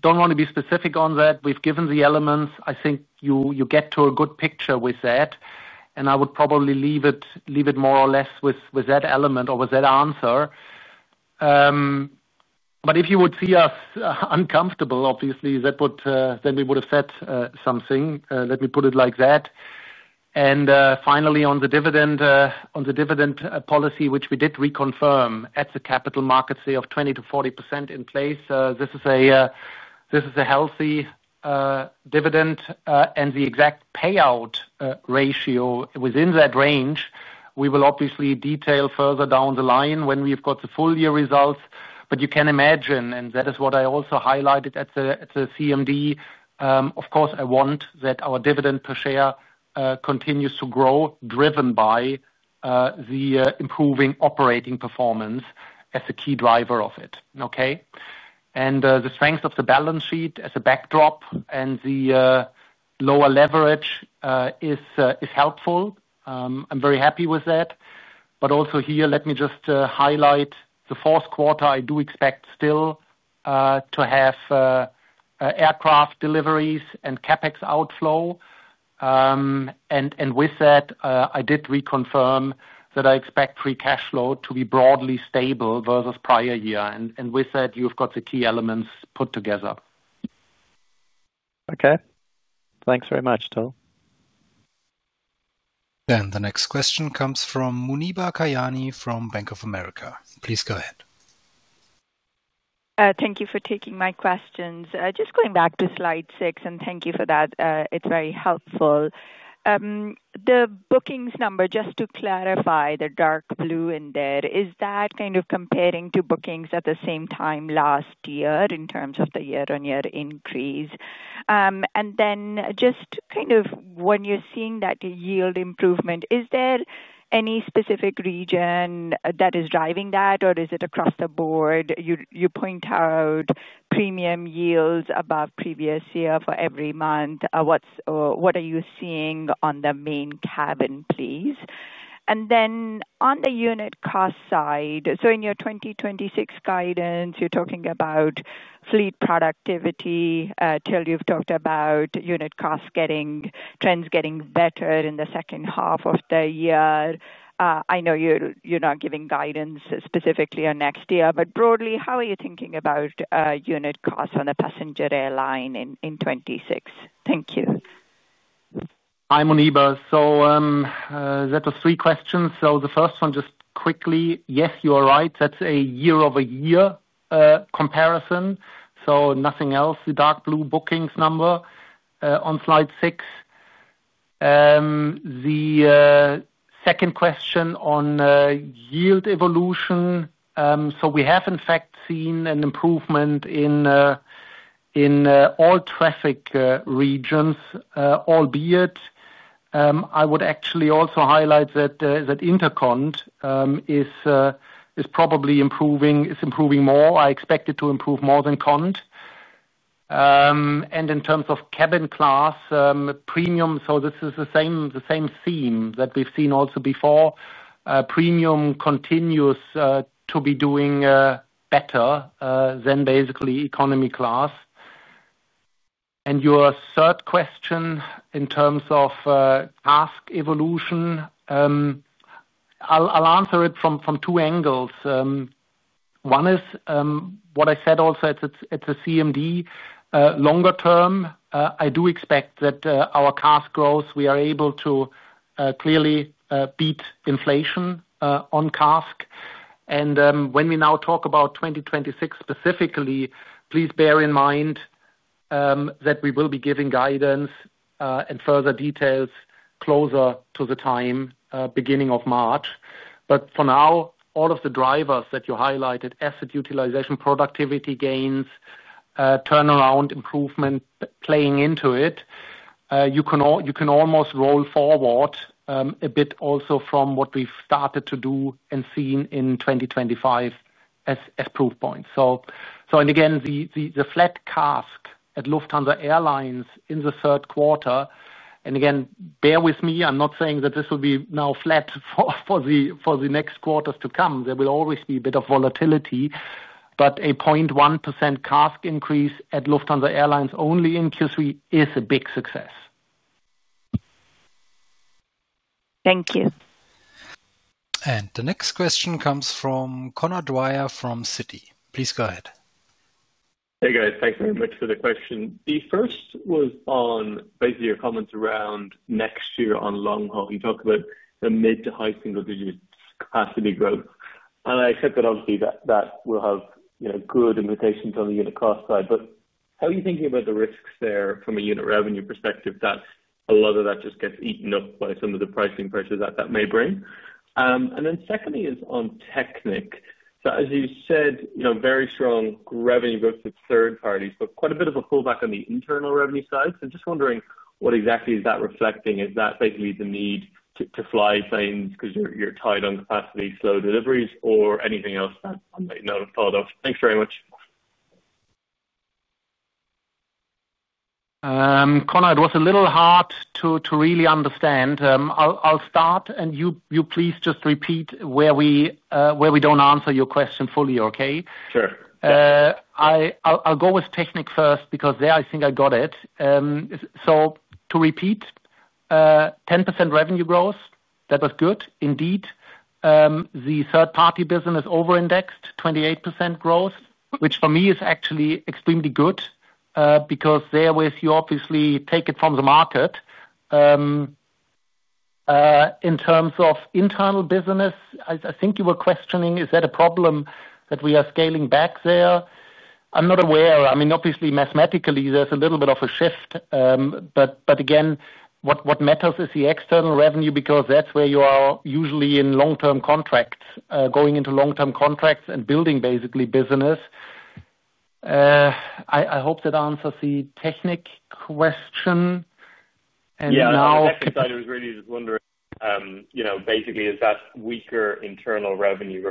don't want to be specific on that. We've given the elements. I think you get to a good picture with that and I would probably leave it more or less with that element or with that answer. If you would see us uncomfortable, obviously we would have said something. Let me put it like that. Finally, on the dividend, on the dividend policy which we did reconfirm at the capital markets day of 20%-40% in place, this is a healthy dividend and the exact payout ratio within that range, we will obviously detail further down the line when we've got the full year results. You can imagine, and that is what I also highlighted at the CMD, of course I want that our dividend per share continues to grow driven by the improving operating performance as a key driver of it. The strength of the balance sheet as a backdrop and the lower leverage is helpful. I'm very happy with that. Also here let me just highlight the fourth quarter. I do expect still to have aircraft deliveries and CapEx outflow. With that I did reconfirm that I expect free cash flow to be broadly stable versus prior year. With that you've got the key elements put together. Okay, thanks very much, Till. The next question comes from Muneeba Kayani from Bank of America. Please go ahead. Thank you for taking my questions. Just going back to Slide 6 and thank you for that. It's very helpful. The bookings number, just to clarify, the dark blue in there, is that kind of comparing to bookings at the same time last year in terms of the year-on-year increase, and then just kind of when you're seeing that yield improvement, is there any specific region that is driving that or is it across the board? You point out premium yields above previous year for every month. What are you seeing on the main cabin, please? On the unit cost side, in your 2026 guidance you're talking about fleet productivity. Till, you've talked about unit costs getting trends, getting better in the second half of the year. I know you're not giving guidance specifically on next year, but broadly, how are you thinking about unit costs on the passenger airlines in 2026? Thank you. Hi Muneeba. That was three questions. The first one just quickly. Yes, you are right, that's a year-on-year comparison. Nothing else. The dark blue bookings number on slide 6. The second question on yield evolution. We have in fact seen an improvement in all traffic regions, albeit I would actually also highlight that intercont is probably improving, is improving more. I expect it to improve more than cond. In terms of cabin class premium, this is the same theme that we've seen also before. Premium continues to be doing better than basically economy class. Your third question in terms of CASK evolution, I'll answer it from two angles. One is what I said also at the CMD. Longer term, I do expect that our CASK growth, we are able to clearly beat inflation on CASK. When we now talk about 2026 specifically, please bear in mind that we will be giving guidance and further details closer to the time, beginning of March. For now, all of the drivers that you highlighted, asset utilization, productivity gains, turnaround, improvement, playing into it, you can almost roll forward a bit also from what we've started to do and seen in 2025 as proof points. Again, the flat CASK at Lufthansa Airlines in the third quarter, and again bear with me, I'm not saying that this will be now flat for the next quarters to come. There will always be a bit of volatility, but a 0.1% CASK increase at Lufthansa Airlines only in Q3 is a big success. Thank you. The next question comes from Conor Dwyer from Citi. Please go ahead. Hey guys, thanks very much for the question. The first was on basically your comments around next year on long-haul. You talk about the mid to high single-digit capacity growth and I accept that obviously that will have good implications on the unit cost side. How are you thinking about the risks there from a unit revenue perspective? That a lot of that just gets eaten up by some of the pricing pressures that may bring. Secondly, on technicians, as you said, very strong revenue growth at third parties but quite a bit of a pullback on the internal revenue side. Just wondering what exactly is that reflecting. Is that basically the need to fly planes because you're tied on capacity, slow deliveries, or anything else that I may not have thought of? Thanks very much. It was a little hard to really understand. I'll start and you please just repeat where we don't answer your question fully. Okay, sure. I'll go with Technik first because there I think I got it. To repeat, 10% revenue growth, that was good indeed. The third party business over indexed 28% growth, which for me is actually extremely good because you obviously take it from the market. In terms of internal business, I think you were questioning, is that a problem that we are scaling back there? I'm not aware. I mean obviously mathematically there's a little bit of a shift, but again what matters is the external revenue because that's where you are usually in long term contracts, going into long term contracts and building basically business. I hope that answers the Technik question. I was really just wondering, basically, is that weaker internal revenue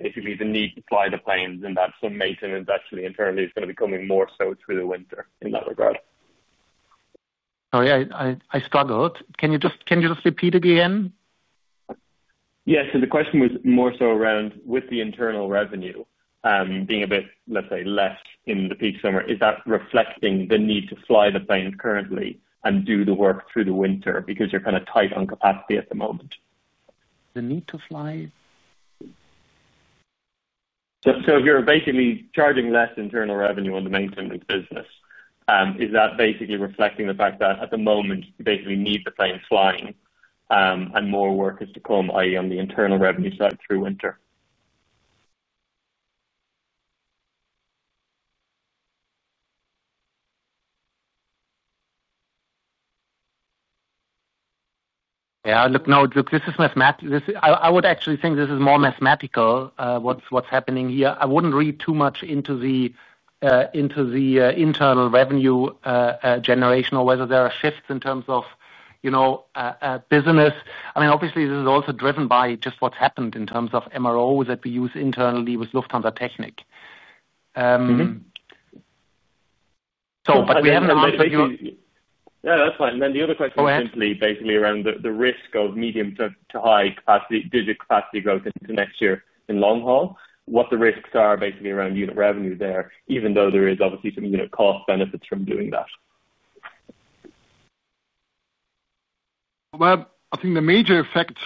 basically the need to fly the planes, and that some maintenance actually internally is going to be coming more so through the winter in that regard. Sorry, I struggled. Can you just repeat again? Yes, the question was more so around with the internal revenue being a bit, let's say, less in the peak summer. Is that reflecting the need to fly the plane currently and do the work through the winter? Because you're kind of tight on capacity at the moment. The need to fly. You're basically charging less internal revenue on the maintenance business. Is that basically reflecting the fact that at the moment you need the plane flying and more work is to come that is on the internal revenue side through winter? Yeah, look. No, this is mathematical. I would actually think this is more mathematical. What's happening here? I wouldn't read too much into the internal revenue generation or whether there are shifts in terms of, you know, business. I mean obviously this is also driven by just what's happened in terms of MROs that we use internally with Lufthansa Technik. We haven't. Yeah, that's fine. The other question basically around the risk of medium to high capacity growth into next year in long-haul, what the risks are basically around unit revenue there even though there is obviously some unit cost benefits from doing that. I think the major effect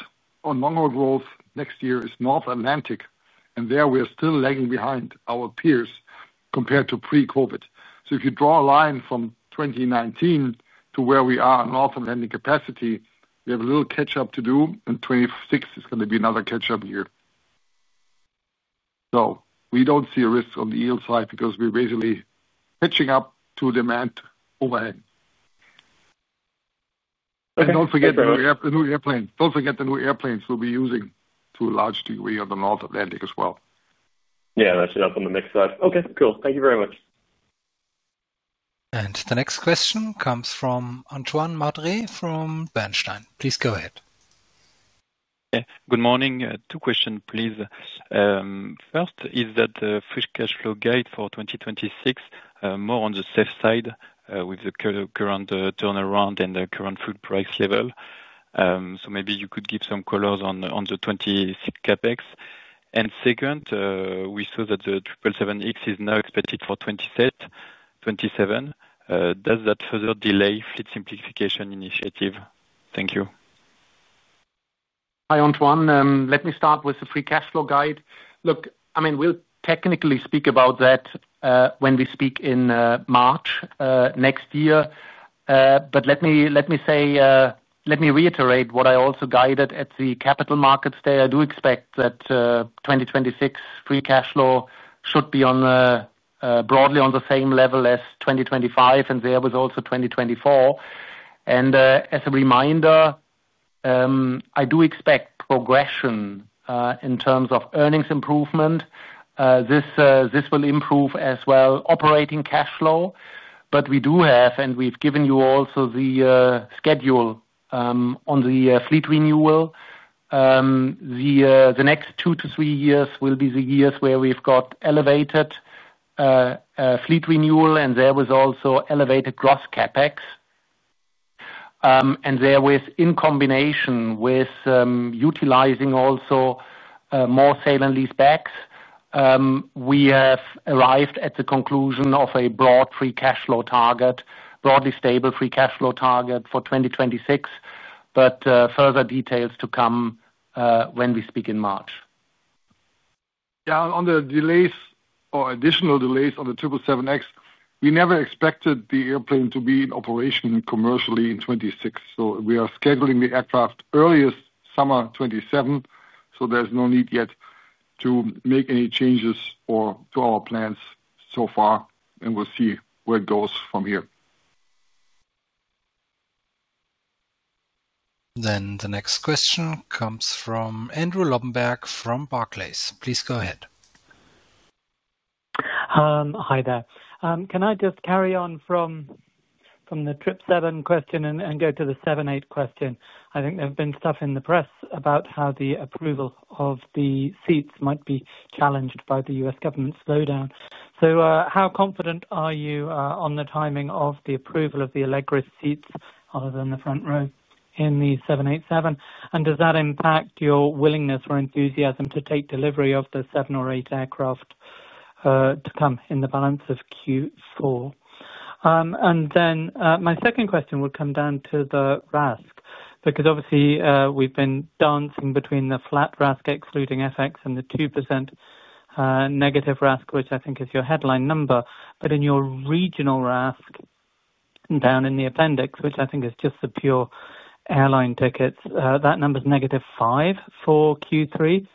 on longer growth next year is North Atlantic, and there we are still lagging behind our peers compared to pre-COVID. If you draw a line from 2019 to where we are north of lending capacity, we have a little catch up to do, and 2026 is going to be another catch up year. We don't see a risk on the yield side because we're basically catching up to demand overhang. Don't forget the new airplane. Don't forget the new airplanes we'll be using to a large degree on the North Atlantic as well. Yeah, that's enough on the next slide. Okay, cool. Thank you very much. The next question comes from Antoine Madre from Bernstein. Please go ahead. Good morning. Two questions please. First, is the free cash flow guide for 2026 more on the safe side with the current turnaround and the current fuel price level? Maybe you could give some colors on the 2026 CapEx. We saw that the 777X is now expected for 2027. Does that further delay the fleet simplification initiative? Thank you. Hi Antoine. Let me start with the free cash flow guide. We'll technically speak about that when we speak in March next year. Let me reiterate what I also guided at the Capital Markets Day. I do expect that 2026 free cash flow should be broadly on the same level as 2025 and also 2024. As a reminder, I do expect progression in terms of earnings improvement. This will improve as well operating cash flow. We do have, and we've given you also, the schedule on the fleet renewal. The next two to three years will be the years where we've got elevated fleet renewal and also elevated gross CapEx, and in combination with utilizing also more sale and leasebacks. We have arrived at the conclusion of a broad free cash flow target. Broadly stable free cash flow target for 2026. Further details to come when we speak in March. On the delays or additional delays on the 777X. We never expected the airplane to be in operation commercially in 2026, so we are scheduling the aircraft earliest summer 2027. There's no need yet to make any changes to our plans so far, and we'll see where it goes from here. The next question comes from Andrew Lobbenberg from Barclays. Please go ahead. Hi there. Can I just carry on from the 777 question and go to the 787 question? I think there's been stuff in the press about how the approval of the seats might be challenged by the U.S. Government slowdown. How confident are you on the timing of the approval of the Allegris seats other than the front row in the 787? Does that impact your willingness or enthusiasm to take delivery of the seven or eight aircraft to come in the balance of Q4? My second question would come down to the RASK, because obviously we've been dancing between the flat RASK, excluding FX, and the 2% negative RASK, which I think is your headline number. In your regional RASK, down in the appendix, which I think is just the pure airline tickets, that number is -5% for Q3.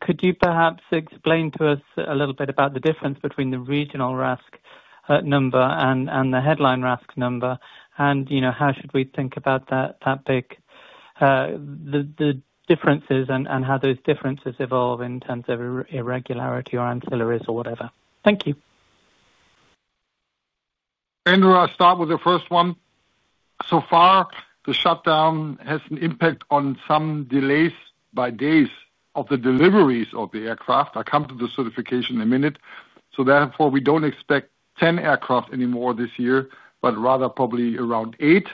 Could you perhaps explain to us a little bit about the difference between the regional RASK number and the headline RASK number, and how should we think about how big the differences are and how those differences evolve in terms of irregularity or ancillaries or whatever? Thank you. Andrew. I start with the first one. So far the shutdown has an impact on some delays by days of the deliveries of the aircraft. I'll come to the certification in a minute. Therefore, we don't expect 10 aircraft anymore this year, but rather probably around 8.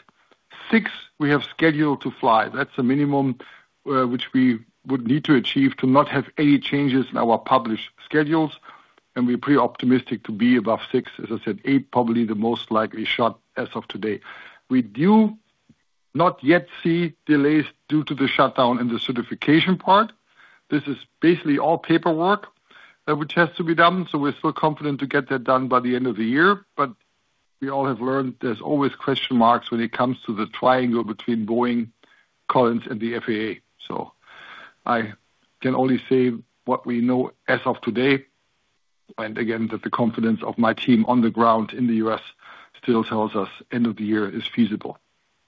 6 we have scheduled to fly. That's the minimum which we would need to achieve to not have any changes in our published schedules. We're pretty optimistic to be above 6, as I said 8, probably the most likely shot as of today. We do not yet see delays due to the shutdown in the certification part. This is basically all paperwork which has to be done. We're still confident to get that done by the end of the year. We all have learned there's always question marks when it comes to the triangle between Boeing, Collins, and the FAA. I can only say what we know as of today and again that the confidence of my team on the ground in the U.S. still tells us end of the year is feasible,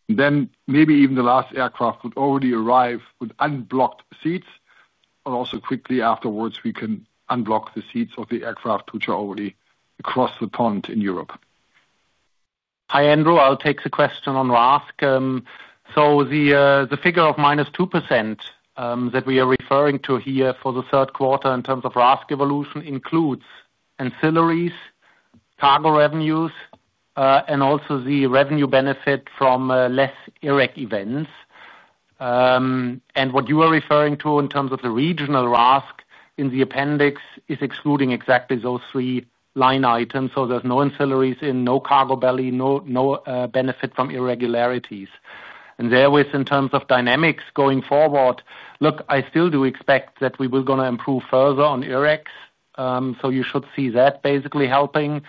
then maybe even the last aircraft would already arrive with unblocked seats. Also, quickly afterwards we can unblock the seats of the aircraft which are already across the pond in Europe. Hi, Andrew. I'll take the question on RASK. The figure of -2% that we are referring to here for the third quarter in terms of RASK evolution includes ancillaries, cargo revenues, and also the revenue benefit from less IRREG events. What you are referring to in terms of the regional RASK in the appendix is excluding exactly those three line items. There's no ancillaries, no cargo belly, no benefit from irregularities. In terms of dynamics going forward, I still do expect that we are going to improve further on [Urex]. You should see that basically helping.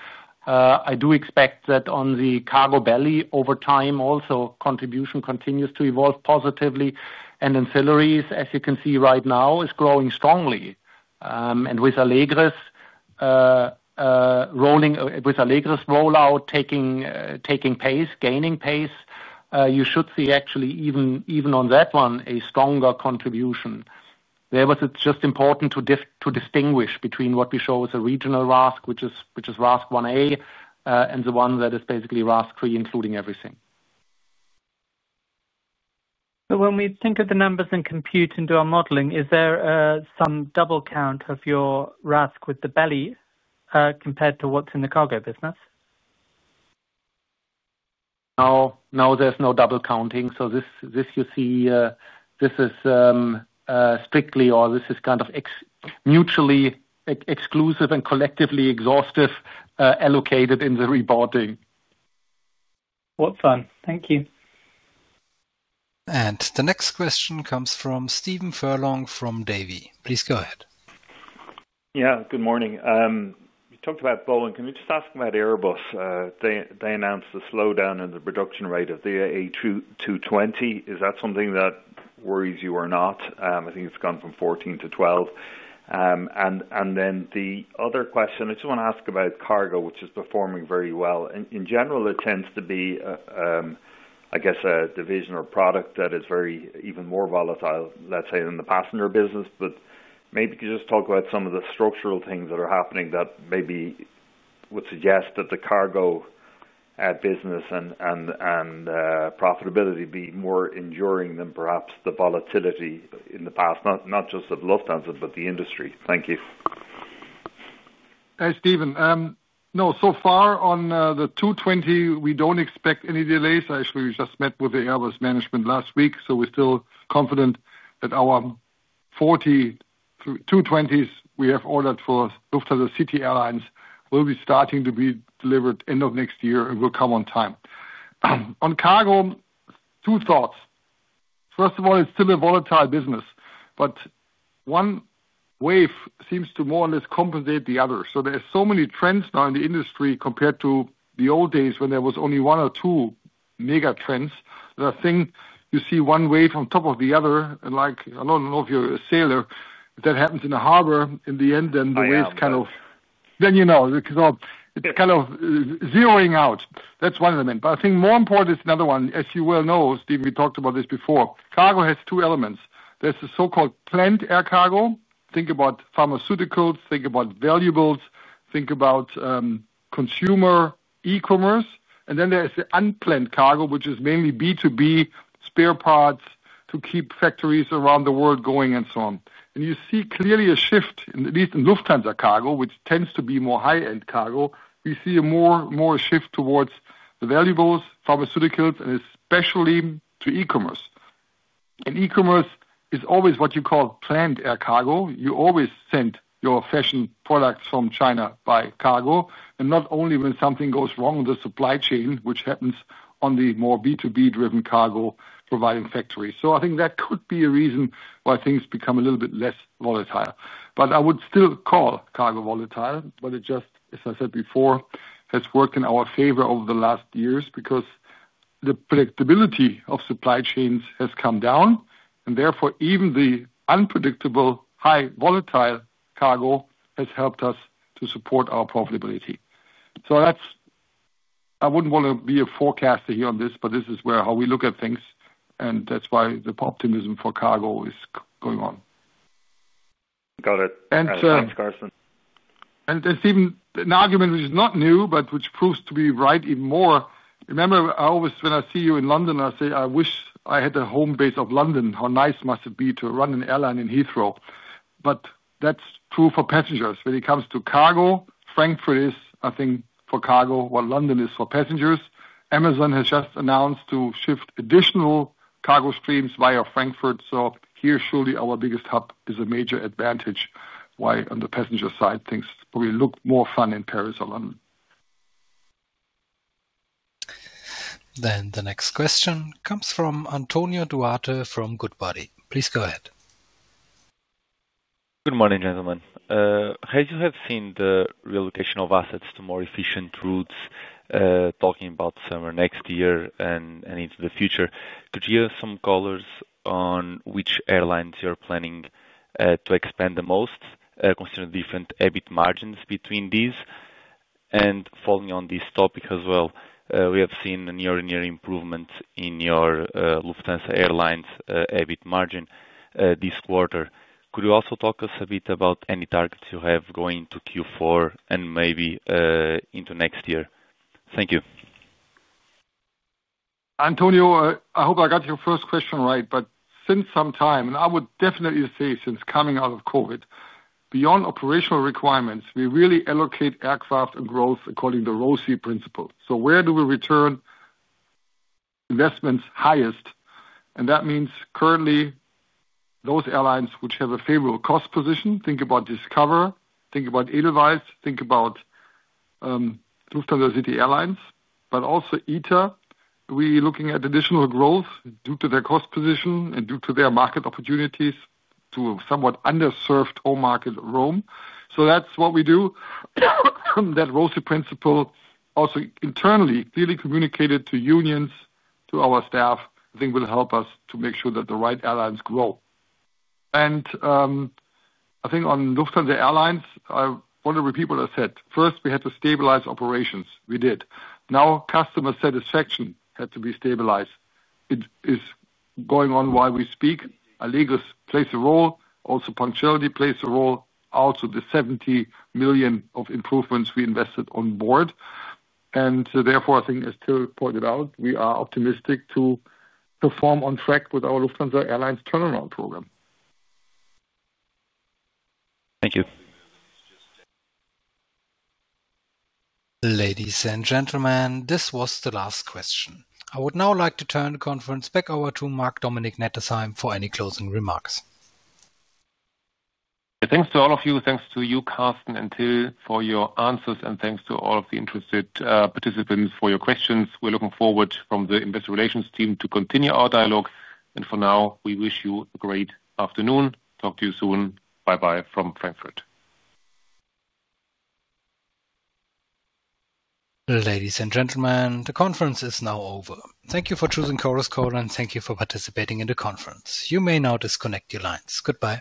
I do expect that on the cargo belly, over time, also contribution continues to evolve positively, and ancillaries, as you can see right now, is growing strongly. With Allegris rollout gaining pace, you should see actually even on that one, a stronger contribution. It's just important to distinguish between what we show as a regional RASK, which is RASK1A, and the one that is basically RASK3, including everything. When we think of the numbers and compute and do our modeling, is there some double count of your RASK with the belly compared to what's in the Cargo business? Now there's no double counting. This is strictly or this is kind of mutually exclusive and collectively exhaustive, allocated in the reporting. What fun. Thank you. The next question comes from Stephen Furlong from Davy, please go ahead. Yeah, good morning. We talked about Boeing. Can we just ask about Airbus? They announced a slowdown in the production rate of the A220. Is that something that worries you or not? I think it's gone from 14 to 12. The other question I just want to ask about cargo, which is performing very well in general. It tends to be, I guess, a division or product that is very, even more volatile, let's say, than the passenger business. Maybe just talk about some of the structural things that are happening that maybe would suggest that the Cargo business and profitability be more enduring than perhaps the volatility in the past, not just of Lufthansa, but the industry. Thank you. No, so far on the 220 we don't expect any delays. I actually just met with the Airbus management last week. We're still confident that our 40 220s we have ordered for Lufthansa City Airlines will be starting to be delivered end of next year and will come on time. On Cargo, two thoughts. First of all, it's still a volatile business, but one wave seems to more or less compensate the other. There are so many trends now in the industry compared to the old days when there was only one or two mega trends that I think you see one wave on top of the other. Like, I don't know if you're a sailor, that happens in the harbor in the end, then the waves kind of, then you know, it's kind of zeroing out. That's one of them. I think more important is another one. As you well know, Steve, we talked about this before. Cargo has two elements. There's the so-called planned air cargo. Think about pharmaceuticals, think about valuables, think about consumer e-commerce. Then there's the unplanned cargo which is mainly B2B spare parts to keep factories around the world going and so on. You see clearly a shift, at least in Lufthansa Cargo, which tends to be more high-end cargo. We see a more shift towards the valuables, pharmaceuticals and especially to e-commerce. E-commerce is always what you call planned Lufthansa Cargo. You always send your fashion products from China by cargo, and not only when something goes wrong in the supply chain, which happens on the more B2B-driven cargo providing factories. I think that could be a reason why things become a little bit less volatile. I would still call cargo volatile. It just, as I said before, has worked in our favor over the last years because the predictability of supply chains has come down, and therefore even the unpredictable, high volatile cargo has helped us to support our profitability. I wouldn't want to be a forecaster here on this, but this is how we look at things, and that's why the optimism for cargo is going on. Got it. Thanks, Carsten. There's even an argument which is not new, but which proves to be right even more. Remember when I see you in London, I say I wish I had the home base of London. How nice must it be to run an airline in Heathrow. That's true for passengers. When it comes to cargo, Frankfurt is, I think, for cargo what London is for passengers. Amazon has just announced to shift additional cargo streams via Frankfurt. Here, surely our biggest hub is a major advantage, while on the passenger side, things probably look more fun in Paris or London. The next question comes from Antonio Duarte from Goodbody. Please go ahead. Good morning, gentlemen. As you have seen, the reallocation of assets to more efficient routes. Talking about summer next year and into the future, could you give us some colors on which airlines you're planning to expand the most, considering different EBIT margins between these? Following on this topic as well, we have seen year-on-year improvements in your Lufthansa Airlines EBIT margin this quarter. Could you also talk us a bit about any targets you have going to Q4 and maybe into next year? Thank you. Antonio, I hope I got your first question right. Since some time, and I would definitely say since coming out of COVID, beyond operational requirements, we really allocate aircraft and growth according to Rossi principle. Where do we return investments highest, and that means currently those airlines which have a favorable cost position—think about Discover, think about Edelweiss, think about Lufthansa City Airlines, but also ITA. We're looking at additional growth due to their cost position and due to their market opportunities to somewhat underserved home market Rome. That's what we do. That Rossi principle also internally clearly communicated to unions, to our staff, I think will help us to make sure that the right alliance grows. On Lufthansa Airlines, I want to repeat what I said. First, we had to stabilize operations. We did. Now customer satisfaction had to be stabilized. It is going on while we speak. Allegris plays a role also. Punctuality plays a role, also the 70 million of improvements we invested on board, and therefore I think as still pointed out, we are optimistic to perform on track with our Lufthansa Airlines Turnaround Program. Thank you. Ladies and gentlemen. This was the last question. I would now like to turn the conference back over to Marc-Dominic Nettesheim for any closing remarks. Thanks to all of you. Thanks to you, Carsten and Till for your answers and thanks to all of the interested participants for your questions. We're looking forward from the Investor Relations team, to continue our dialogue and for now we wish you a great afternoon. Talk to you soon. Bye bye from Frankfurt. Ladies and gentlemen, the conference is now over. Thank you for choosing Chorus Call and thank you for participating in the conference. You may now disconnect your lines. Goodbye.